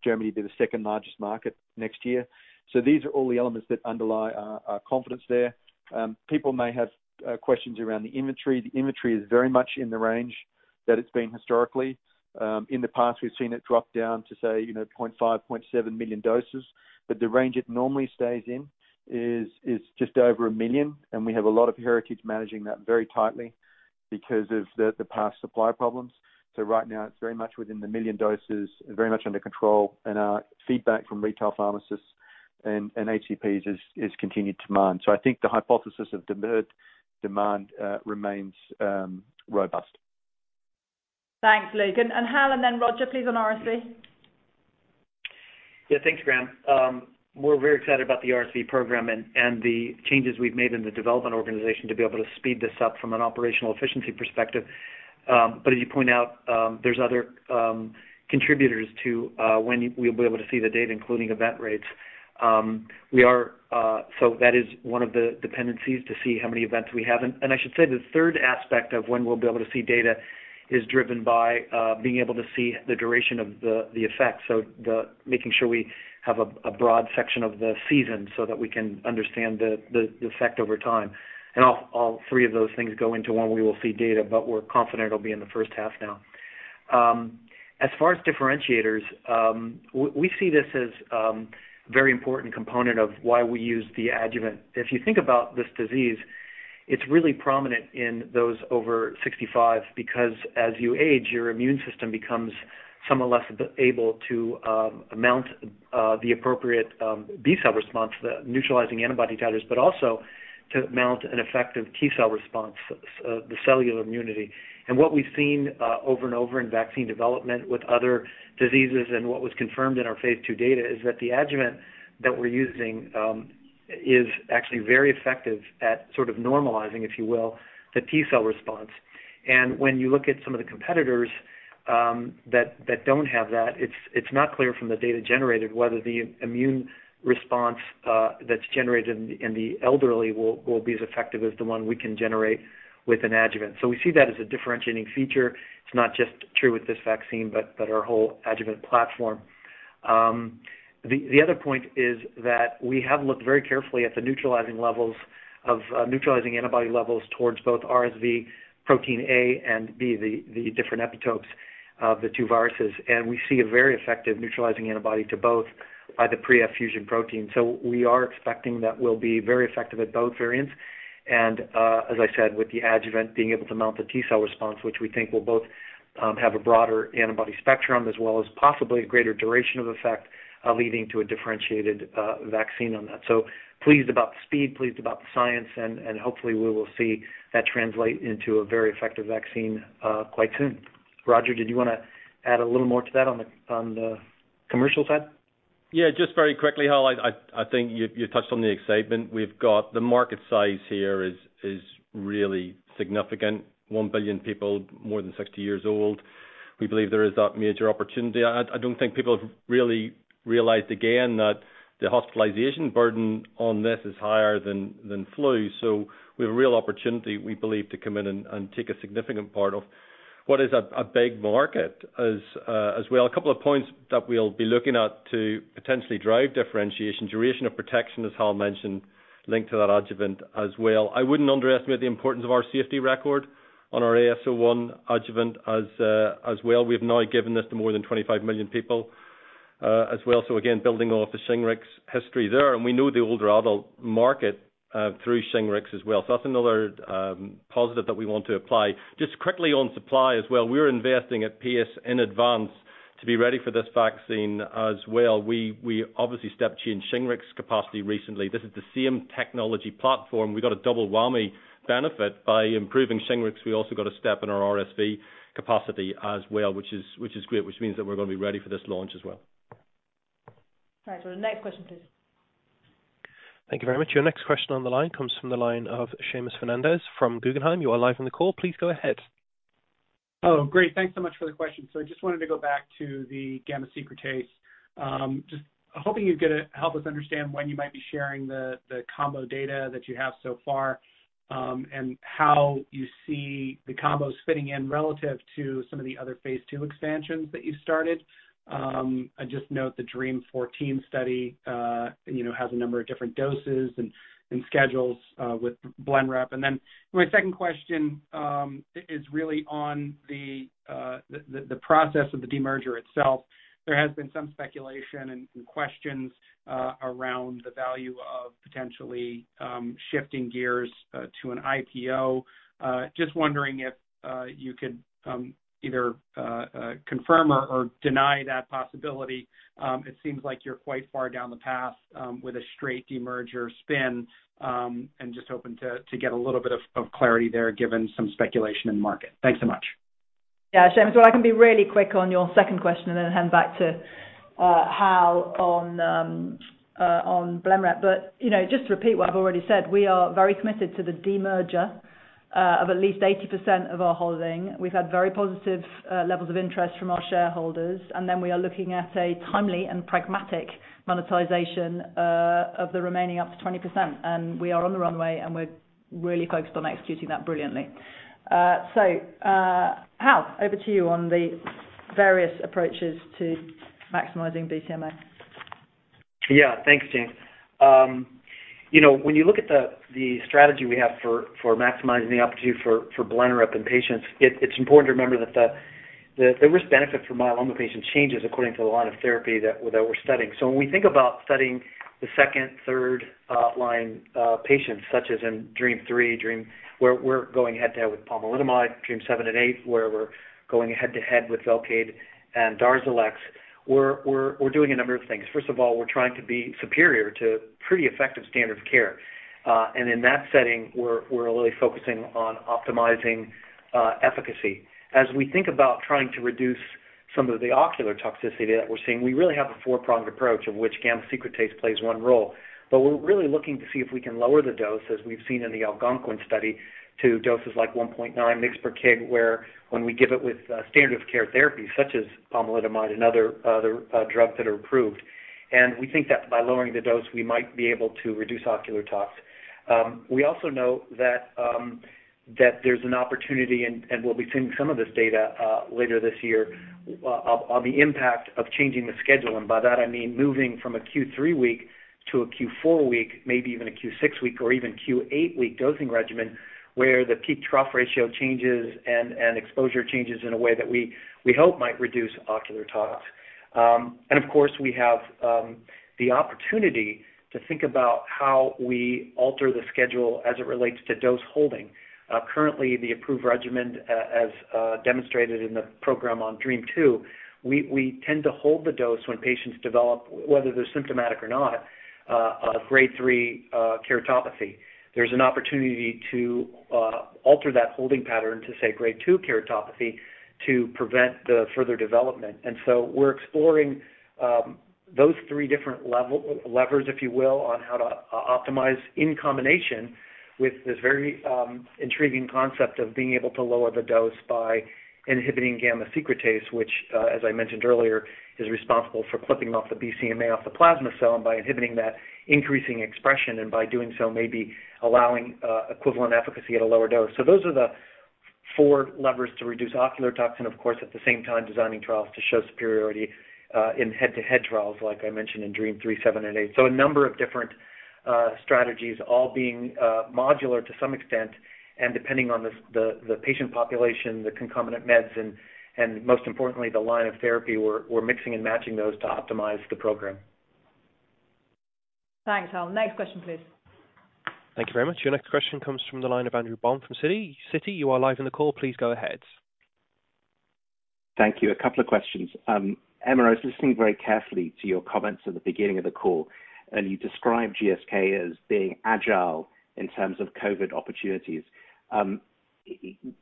Speaker 4: Germany to be the second largest market next year. These are all the elements that underlie our confidence there. People may have questions around the inventory. The inventory is very much in the range that it's been historically. In the past, we've seen it drop down to say, you know, 0.5, 0.7 million doses. The range it normally stays in is just over a million, and we have a lot of heritage managing that very tightly because of the past supply problems. Right now, it's very much within a million doses and very much under control, and our feedback from retail pharmacists and HCPs is continued demand. I think the hypothesis of demand remains robust.
Speaker 3: Thanks, Luke. Hal and then Roger, please, on RSV.
Speaker 10: Yeah. Thanks, Graham. We're very excited about the RSV program and the changes we've made in the development organization to be able to speed this up from an operational efficiency perspective. But as you point out, there's other contributors to when we'll be able to see the data, including event rates. That is one of the dependencies to see how many events we have. I should say the third aspect of when we'll be able to see data is driven by being able to see the duration of the effect. Making sure we have a broad section of the season so that we can understand the effect over time. All three of those things go into when we will see data, but we're confident it'll be in the first half now. As far as differentiators, we see this as a very important component of why we use the adjuvant. If you think about this disease, it's really prominent in those over 65 because as you age, your immune system becomes somewhat less able to mount the appropriate B cell response, the neutralizing antibody titers, but also to mount an effective T cell response, the cellular immunity. What we've seen over and over in vaccine development with other diseases and what was confirmed in our phase II data is that the adjuvant that we're using is actually very effective at sort of normalizing, if you will, the T cell response. When you look at some of the competitors that don't have that, it's not clear from the data generated whether the immune response that's generated in the elderly will be as effective as the one we can generate with an adjuvant. We see that as a differentiating feature. It's not just true with this vaccine, but our whole adjuvant platform. The other point is that we have looked very carefully at the neutralizing levels of neutralizing antibody levels towards both RSV protein A and B, the different epitopes of the two viruses. We see a very effective neutralizing antibody to both by the pre-fusion protein. We are expecting that we'll be very effective at both variants. As I said, with the adjuvant being able to mount the T cell response, which we think will both have a broader antibody spectrum as well as possibly a greater duration of effect, leading to a differentiated vaccine on that. I'm pleased about the speed, pleased about the science, and hopefully we will see that translate into a very effective vaccine quite soon. Roger, did you want to add a little more to that on the commercial side?
Speaker 14: Yeah. Just very quickly, Hal, I think you touched on the excitement. We've got the market size here is really significant. 1 billion people more than 60 years old. We believe there is that major opportunity. I don't think people have really realized again that the hospitalization burden on this is higher than flu. We have a real opportunity, we believe, to come in and take a significant part of what is a big market as well. A couple of points that we'll be looking at to potentially drive differentiation, duration of protection, as Hal mentioned, linked to that adjuvant as well. I wouldn't underestimate the importance of our safety record on our AS01 adjuvant as well. We've now given this to more than 25 million people. Again, building off the Shingrix history there, and we know the older adult market through Shingrix as well. That's another positive that we want to apply. Just quickly on supply as well, we're investing at PS in advance to be ready for this vaccine as well. We obviously stepped up Shingrix capacity recently. This is the same technology platform. We got a double whammy benefit. By improving Shingrix, we also got a step up in our RSV capacity as well, which is great, which means that we're gonna be ready for this launch as well.
Speaker 3: All right, the next question, please.
Speaker 1: Thank you very much. Your next question on the line comes from the line of Seamus Fernandez from Guggenheim. You are live on the call. Please go ahead.
Speaker 15: Oh, great. Thanks so much for the question. I just wanted to go back to the gamma secretase. Just hoping you're gonna help us understand when you might be sharing the combo data that you have so far, and how you see the combos fitting in relative to some of the other phase II expansions that you've started. I just note the DREAMM-14 study, you know, has a number of different doses and schedules with Blenrep. My second question is really on the process of the demerger itself. There has been some speculation and questions around the value of potentially shifting gears to an IPO. Just wondering if you could either confirm or deny that possibility. It seems like you're quite far down the path with a straight demerger spin, and just hoping to get a little bit of clarity there, given some speculation in the market. Thanks so much.
Speaker 3: Yeah. Seamus, well, I can be really quick on your second question and then hand back to Hal on Blenrep. You know, just to repeat what I've already said, we are very committed to the demerger of at least 80% of our holding. We've had very positive levels of interest from our shareholders, and then we are looking at a timely and pragmatic monetization of the remaining up to 20%. We are on the runway, and we're really focused on executing that brilliantly. Hal, over to you on the various approaches to maximizing BCMA.
Speaker 10: Yeah. Thanks, Dame. You know, when you look at the strategy we have for maximizing the opportunity for Blenrep in patients, it's important to remember that the risk benefit for myeloma patients changes according to the line of therapy that we're studying. When we think about studying the second, third line patients such as in DREAMM-3, DREAMM. We're going head to head with pomalidomide, DREAMM-7 and DREAMM-8, where we're going head to head with Velcade and Darzalex. We're doing a number of things. First of all, we're trying to be superior to pretty effective standard of care. In that setting we're really focusing on optimizing efficacy. As we think about trying to reduce some of the ocular toxicity that we're seeing, we really have a four-pronged approach of which gamma secretase plays one role. We're really looking to see if we can lower the dose, as we've seen in the ALGONQUIN study, to doses like 1.9 mg per kg, where when we give it with standard of care therapy such as Pomalidomide and other drugs that are approved, and we think that by lowering the dose, we might be able to reduce ocular tox. We also know that there's an opportunity, and we'll be seeing some of this data later this year on the impact of changing the schedule, and by that I mean moving from a Q3-week to a Q4-week, maybe even a Q6-week or even Q8-week dosing regimen, where the peak trough ratio changes and exposure changes in a way that we hope might reduce ocular tox. Of course, we have the opportunity to think about how we alter the schedule as it relates to dose holding. Currently the approved regimen, as demonstrated in the program on DREAMM-2, we tend to hold the dose when patients develop, whether they're symptomatic or not, a grade three keratopathy. There's an opportunity to alter that holding pattern to, say, grade two keratopathy to prevent the further development. We're exploring those three different levers, if you will, on how to optimize in combination with this very intriguing concept of being able to lower the dose by inhibiting gamma secretase, which, as I mentioned earlier, is responsible for clipping off the BCMA off the plasma cell and by inhibiting that increasing expression and by doing so, maybe allowing equivalent efficacy at a lower dose. Those are the four levers to reduce ocular toxicity, of course at the same time, designing trials to show superiority in head-to-head trials like I mentioned in DREAMM-3, DREAMM-7, and DREAMM-8. A number of different strategies all being modular to some extent. Depending on the patient population, the concomitant meds and most importantly, the line of therapy, we're mixing and matching those to optimize the program.
Speaker 3: Thanks, Hal. Next question, please.
Speaker 1: Thank you very much. Your next question comes from the line of Andrew Baum from Citi. Citi, you are live on the call. Please go ahead.
Speaker 16: Thank you. A couple of questions. Emma, I was listening very carefully to your comments at the beginning of the call, and you described GSK as being agile in terms of COVID opportunities.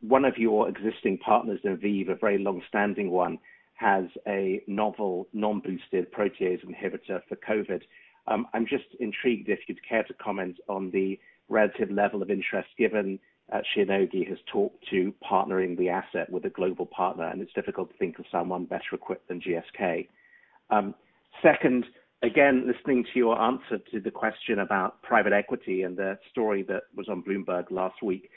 Speaker 16: One of your existing partners, ViiV, a very long-standing one, has a novel non-boosted protease inhibitor for COVID. I'm just intrigued if you'd care to comment on the relative level of interest given that Shionogi has talked to partnering the asset with a global partner, and it's difficult to think of someone better equipped than GSK. Second, again, listening to your answer to the question about private equity and the story that was on Bloomberg last week,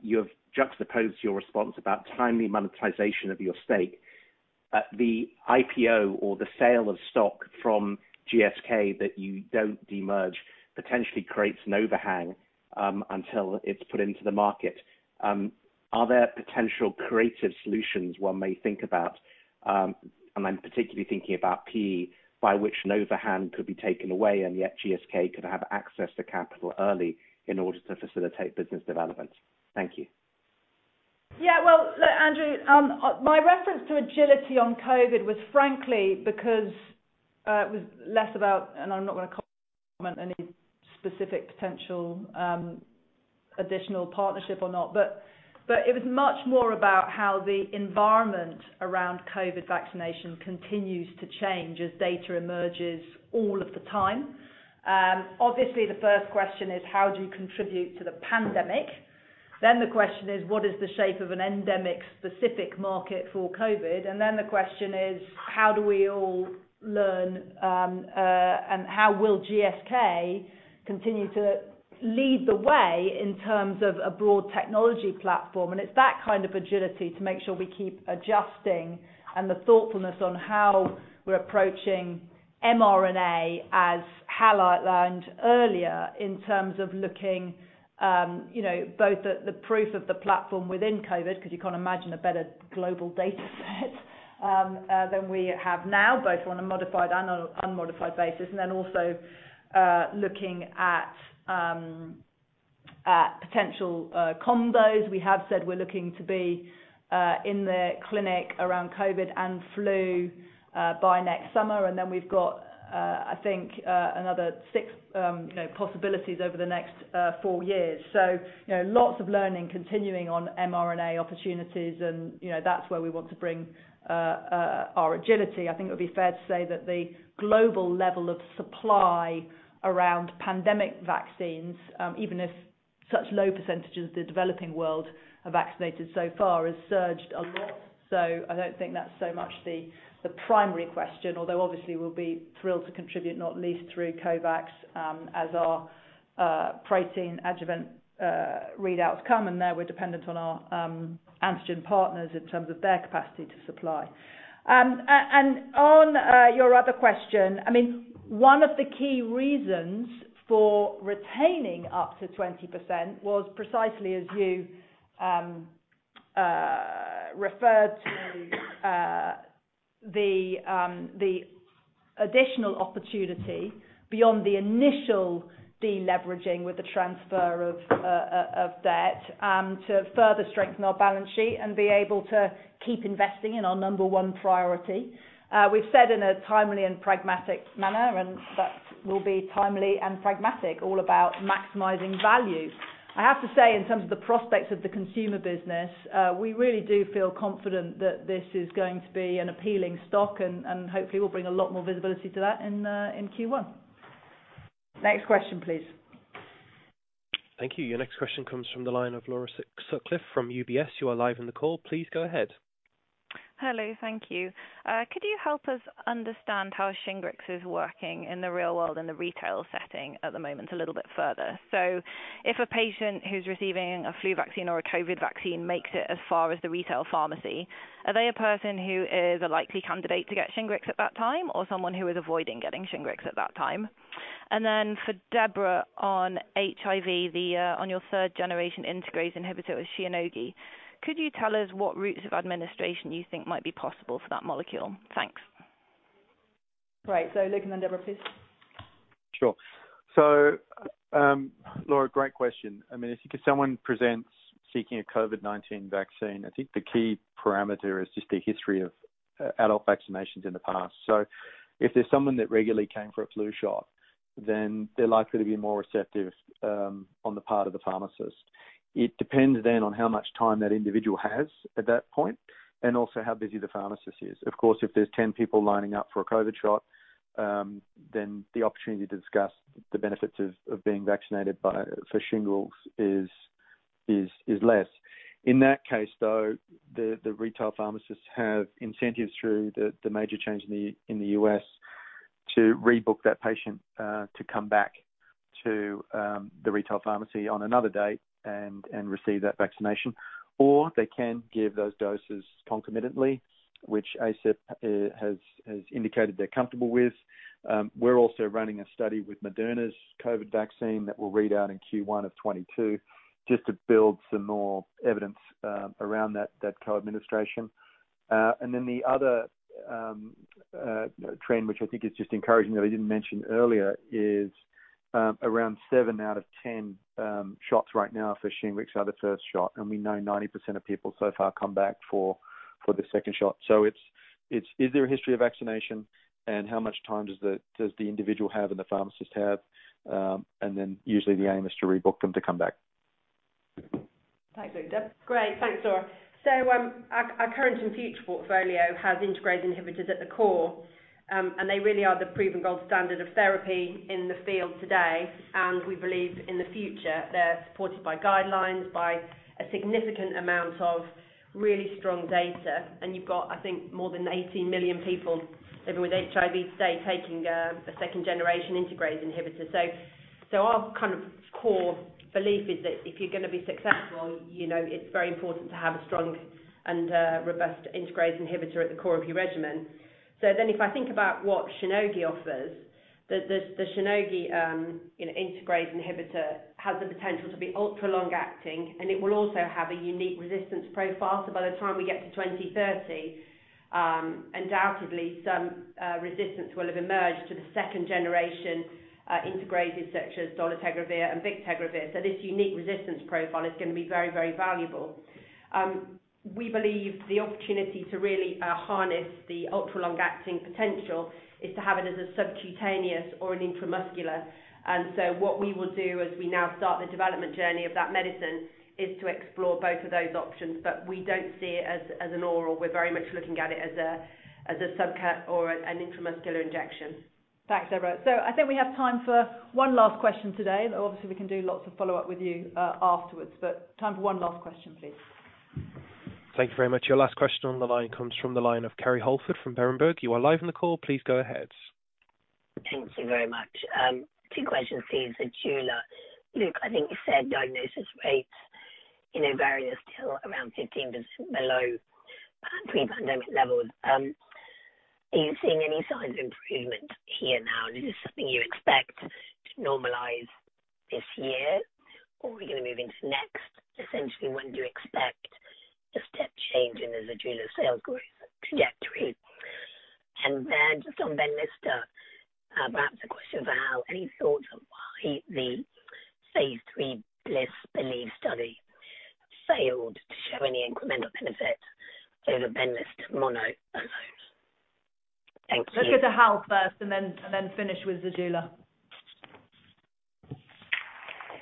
Speaker 16: you have juxtaposed your response about timely monetization of your stake. The IPO or the sale of stock from GSK that you don't demerge potentially creates an overhang, until it's put into the market. Are there potential creative solutions one may think about, and I'm particularly thinking about PE, by which an overhang could be taken away, and yet GSK could have access to capital early in order to facilitate business development? Thank you.
Speaker 3: Yeah. Well, look, Andrew, my reference to agility on COVID was frankly because it was less about, and I'm not going to comment on any specific potential additional partnership or not, but it was much more about how the environment around COVID vaccination continues to change as data emerges all of the time. Obviously the first question is how do you contribute to the pandemic? The question is, what is the shape of an endemic specific market for COVID? The question is, how do we all learn, and how will GSK continue to lead the way in terms of a broad technology platform? It's that kind of agility to make sure we keep adjusting and the thoughtfulness on how we're approaching mRNA, as Hal outlined earlier, in terms of looking, you know, both at the proof of the platform within COVID, because you can't imagine a better global data set than we have now, both on a modified and unmodified basis, and then also looking at potential combos. We have said we're looking to be in the clinic around COVID and flu by next summer, and then we've got, I think, another six, you know, possibilities over the next four years. You know, lots of learning continuing on mRNA opportunities and, you know, that's where we want to bring our agility. I think it would be fair to say that the global level of supply around pandemic vaccines, even if such low percentages of the developing world are vaccinated so far, has surged a lot. I don't think that's so much the primary question, although obviously we'll be thrilled to contribute, not least through COVAX, as our protein adjuvant readouts come, and there we're dependent on our antigen partners in terms of their capacity to supply. On your other question, I mean, one of the key reasons for retaining up to 20% was precisely as you referred to the additional opportunity beyond the initial deleveraging with the transfer of debt to further strengthen our balance sheet and be able to keep investing in our number one priority. We've said in a timely and pragmatic manner, and that will be timely and pragmatic, all about maximizing value. I have to say, in terms of the prospects of the consumer business, we really do feel confident that this is going to be an appealing stock and hopefully we'll bring a lot more visibility to that in Q1. Next question, please.
Speaker 1: Thank you. Your next question comes from the line of Laura Sutcliffe from UBS. You are live in the call. Please go ahead.
Speaker 17: Hello. Thank you. Could you help us understand how Shingrix is working in the real world in the retail setting at the moment a little bit further? If a patient who's receiving a flu vaccine or a COVID vaccine makes it as far as the retail pharmacy, are they a person who is a likely candidate to get Shingrix at that time or someone who is avoiding getting Shingrix at that time? For Deborah on HIV, on your third generation integrase inhibitor with Shionogi, could you tell us what routes of administration you think might be possible for that molecule? Thanks.
Speaker 3: Right. Luke and then Deborah, please.
Speaker 4: Sure. Laura, great question. I mean, if someone presents seeking a COVID-19 vaccine, I think the key parameter is just the history of adult vaccinations in the past. If there's someone that regularly came for a flu shot, then they're likely to be more receptive on the part of the pharmacist. It depends on how much time that individual has at that point and also how busy the pharmacist is. Of course, if there's 10 people lining up for a COVID shot, then the opportunity to discuss the benefits of being vaccinated for shingles is less. In that case, though, the retail pharmacists have incentives through the major change in the U.S. to rebook that patient to come back to the retail pharmacy on another date and receive that vaccination. They can give those doses concomitantly, which ACIP has indicated they're comfortable with. We're also running a study with Moderna's COVID vaccine that will read out in Q1 of 2022 just to build some more evidence around that co-administration. The other trend, which I think is just encouraging that I didn't mention earlier, is around seven out of 10 shots right now for Shingrix are the first shot, and we know 90% of people so far come back for the second shot. Is there a history of vaccination, and how much time does the individual have and the pharmacist have? Usually the aim is to rebook them to come back.
Speaker 5: Thanks, Luke Miels. Great. Thanks, Laura. Our current and future portfolio has integrase inhibitors at the core, and they really are the proven gold standard of therapy in the field today. We believe in the future, they're supported by guidelines, by a significant amount of really strong data. You've got, I think, more than 18 million people living with HIV today taking a second-generation integrase inhibitor. Our kind of core belief is that if you're gonna be successful, you know, it's very important to have a strong and robust integrase inhibitor at the core of your regimen. If I think about what Shionogi offers, the Shionogi you know integrase inhibitor has the potential to be ultra-long acting, and it will also have a unique resistance profile. By the time we get to 2030, undoubtedly some resistance will have emerged to the second generation integrases such as dolutegravir and Bictegravir. This unique resistance profile is gonna be very, very valuable. We believe the opportunity to really harness the ultra-long acting potential is to have it as a subcutaneous or an intramuscular. What we will do as we now start the development journey of that medicine is to explore both of those options. We don't see it as an oral. We're very much looking at it as a subcut or an intramuscular injection.
Speaker 3: Thanks, Deborah. I think we have time for one last question today. Obviously, we can do lots of follow-up with you, afterwards, but time for one last question, please.
Speaker 1: Thank you very much. Your last question on the line comes from the line of Kerry Holford from Berenberg. You are live on the call. Please go ahead.
Speaker 18: Thank you very much. Two questions, please, for Luke Miels. I think you said diagnosis rates in ovarian are still around 15% below pre-pandemic levels. Are you seeing any signs of improvement here now? And is this something you expect to normalize this year, or are we gonna move into next? Essentially, when do you expect a step change in the Zejula sales growth trajectory? And then just on Benlysta, perhaps a question for Hal. Any thoughts on why the phase III BLISS-BELIEVE study failed to show any incremental benefit over Benlysta mono alone? Thank you.
Speaker 3: Let's go to Hal first and then finish with Zejula.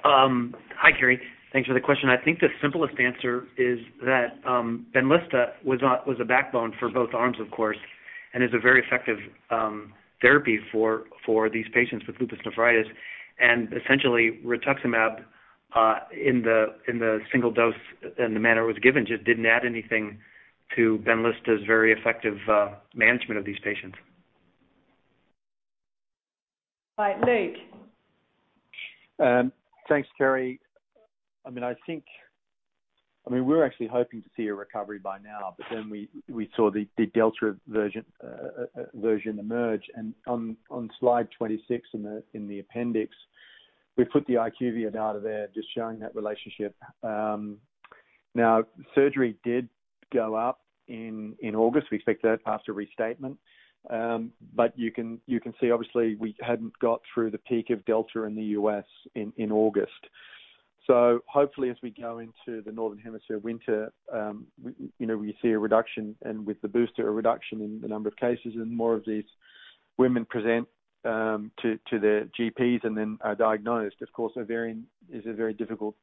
Speaker 10: Hi, Kerry. Thanks for the question. I think the simplest answer is that Benlysta was a backbone for both arms, of course, and is a very effective therapy for these patients with lupus nephritis. Essentially Rituximab, in the single dose in the manner it was given, just didn't add anything to Benlysta's very effective management of these patients.
Speaker 3: Right. Luke?
Speaker 4: Thanks, Kerry. I mean, I think. I mean, we're actually hoping to see a recovery by now, but then we saw the Delta variant emerge. On slide 26 in the appendix, we put the IQVIA data there just showing that relationship. Now surgery did go up in August. We expect that after restatement. But you can see obviously we hadn't got through the peak of Delta in the U.S. in August. Hopefully as we go into the Northern Hemisphere winter, you know, we see a reduction and with the booster, a reduction in the number of cases and more of these women present to their GPs and then are diagnosed. Of course, ovarian is a very difficult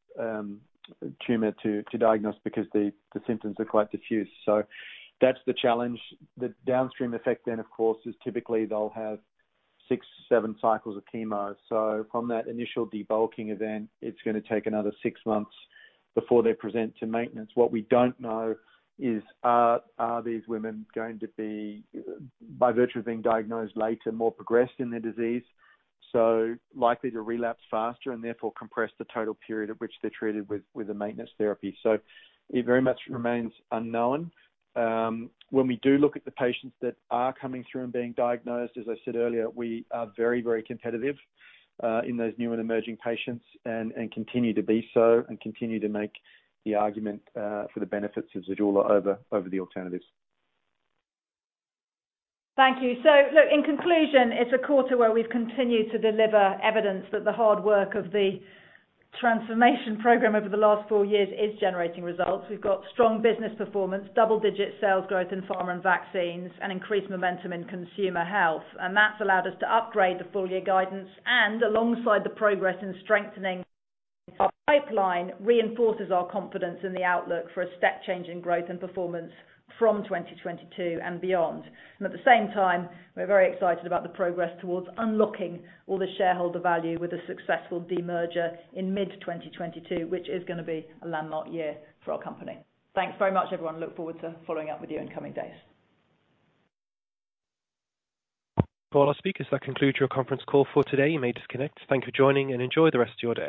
Speaker 4: tumor to diagnose because the symptoms are quite diffuse. That's the challenge. The downstream effect then, of course, is typically they'll have six to seven cycles of chemo. From that initial debulking event, it's gonna take another six months before they present to maintenance. What we don't know is, are these women going to be, by virtue of being diagnosed later, more progressed in their disease, so likely to relapse faster and therefore compress the total period at which they're treated with a maintenance therapy? It very much remains unknown. When we do look at the patients that are coming through and being diagnosed, as I said earlier, we are very, very competitive in those new and emerging patients and continue to be so, and continue to make the argument for the benefits of Zejula over the alternatives.
Speaker 3: Thank you. Look, in conclusion, it's a quarter where we've continued to deliver evidence that the hard work of the transformation program over the last four years is generating results. We've got strong business performance, double-digit sales growth in Pharma and Vaccines, and increased momentum in Consumer Health. That's allowed us to upgrade the full-year guidance and alongside the progress in strengthening our pipeline reinforces our confidence in the outlook for a step change in growth and performance from 2022 and beyond. At the same time, we're very excited about the progress towards unlocking all the shareholder value with a successful demerger in mid-2022, which is gonna be a landmark year for our company. Thanks very much, everyone. We look forward to following up with you in coming days.
Speaker 1: For all our speakers, that concludes your conference call for today. You may disconnect. Thank you for joining, and enjoy the rest of your day.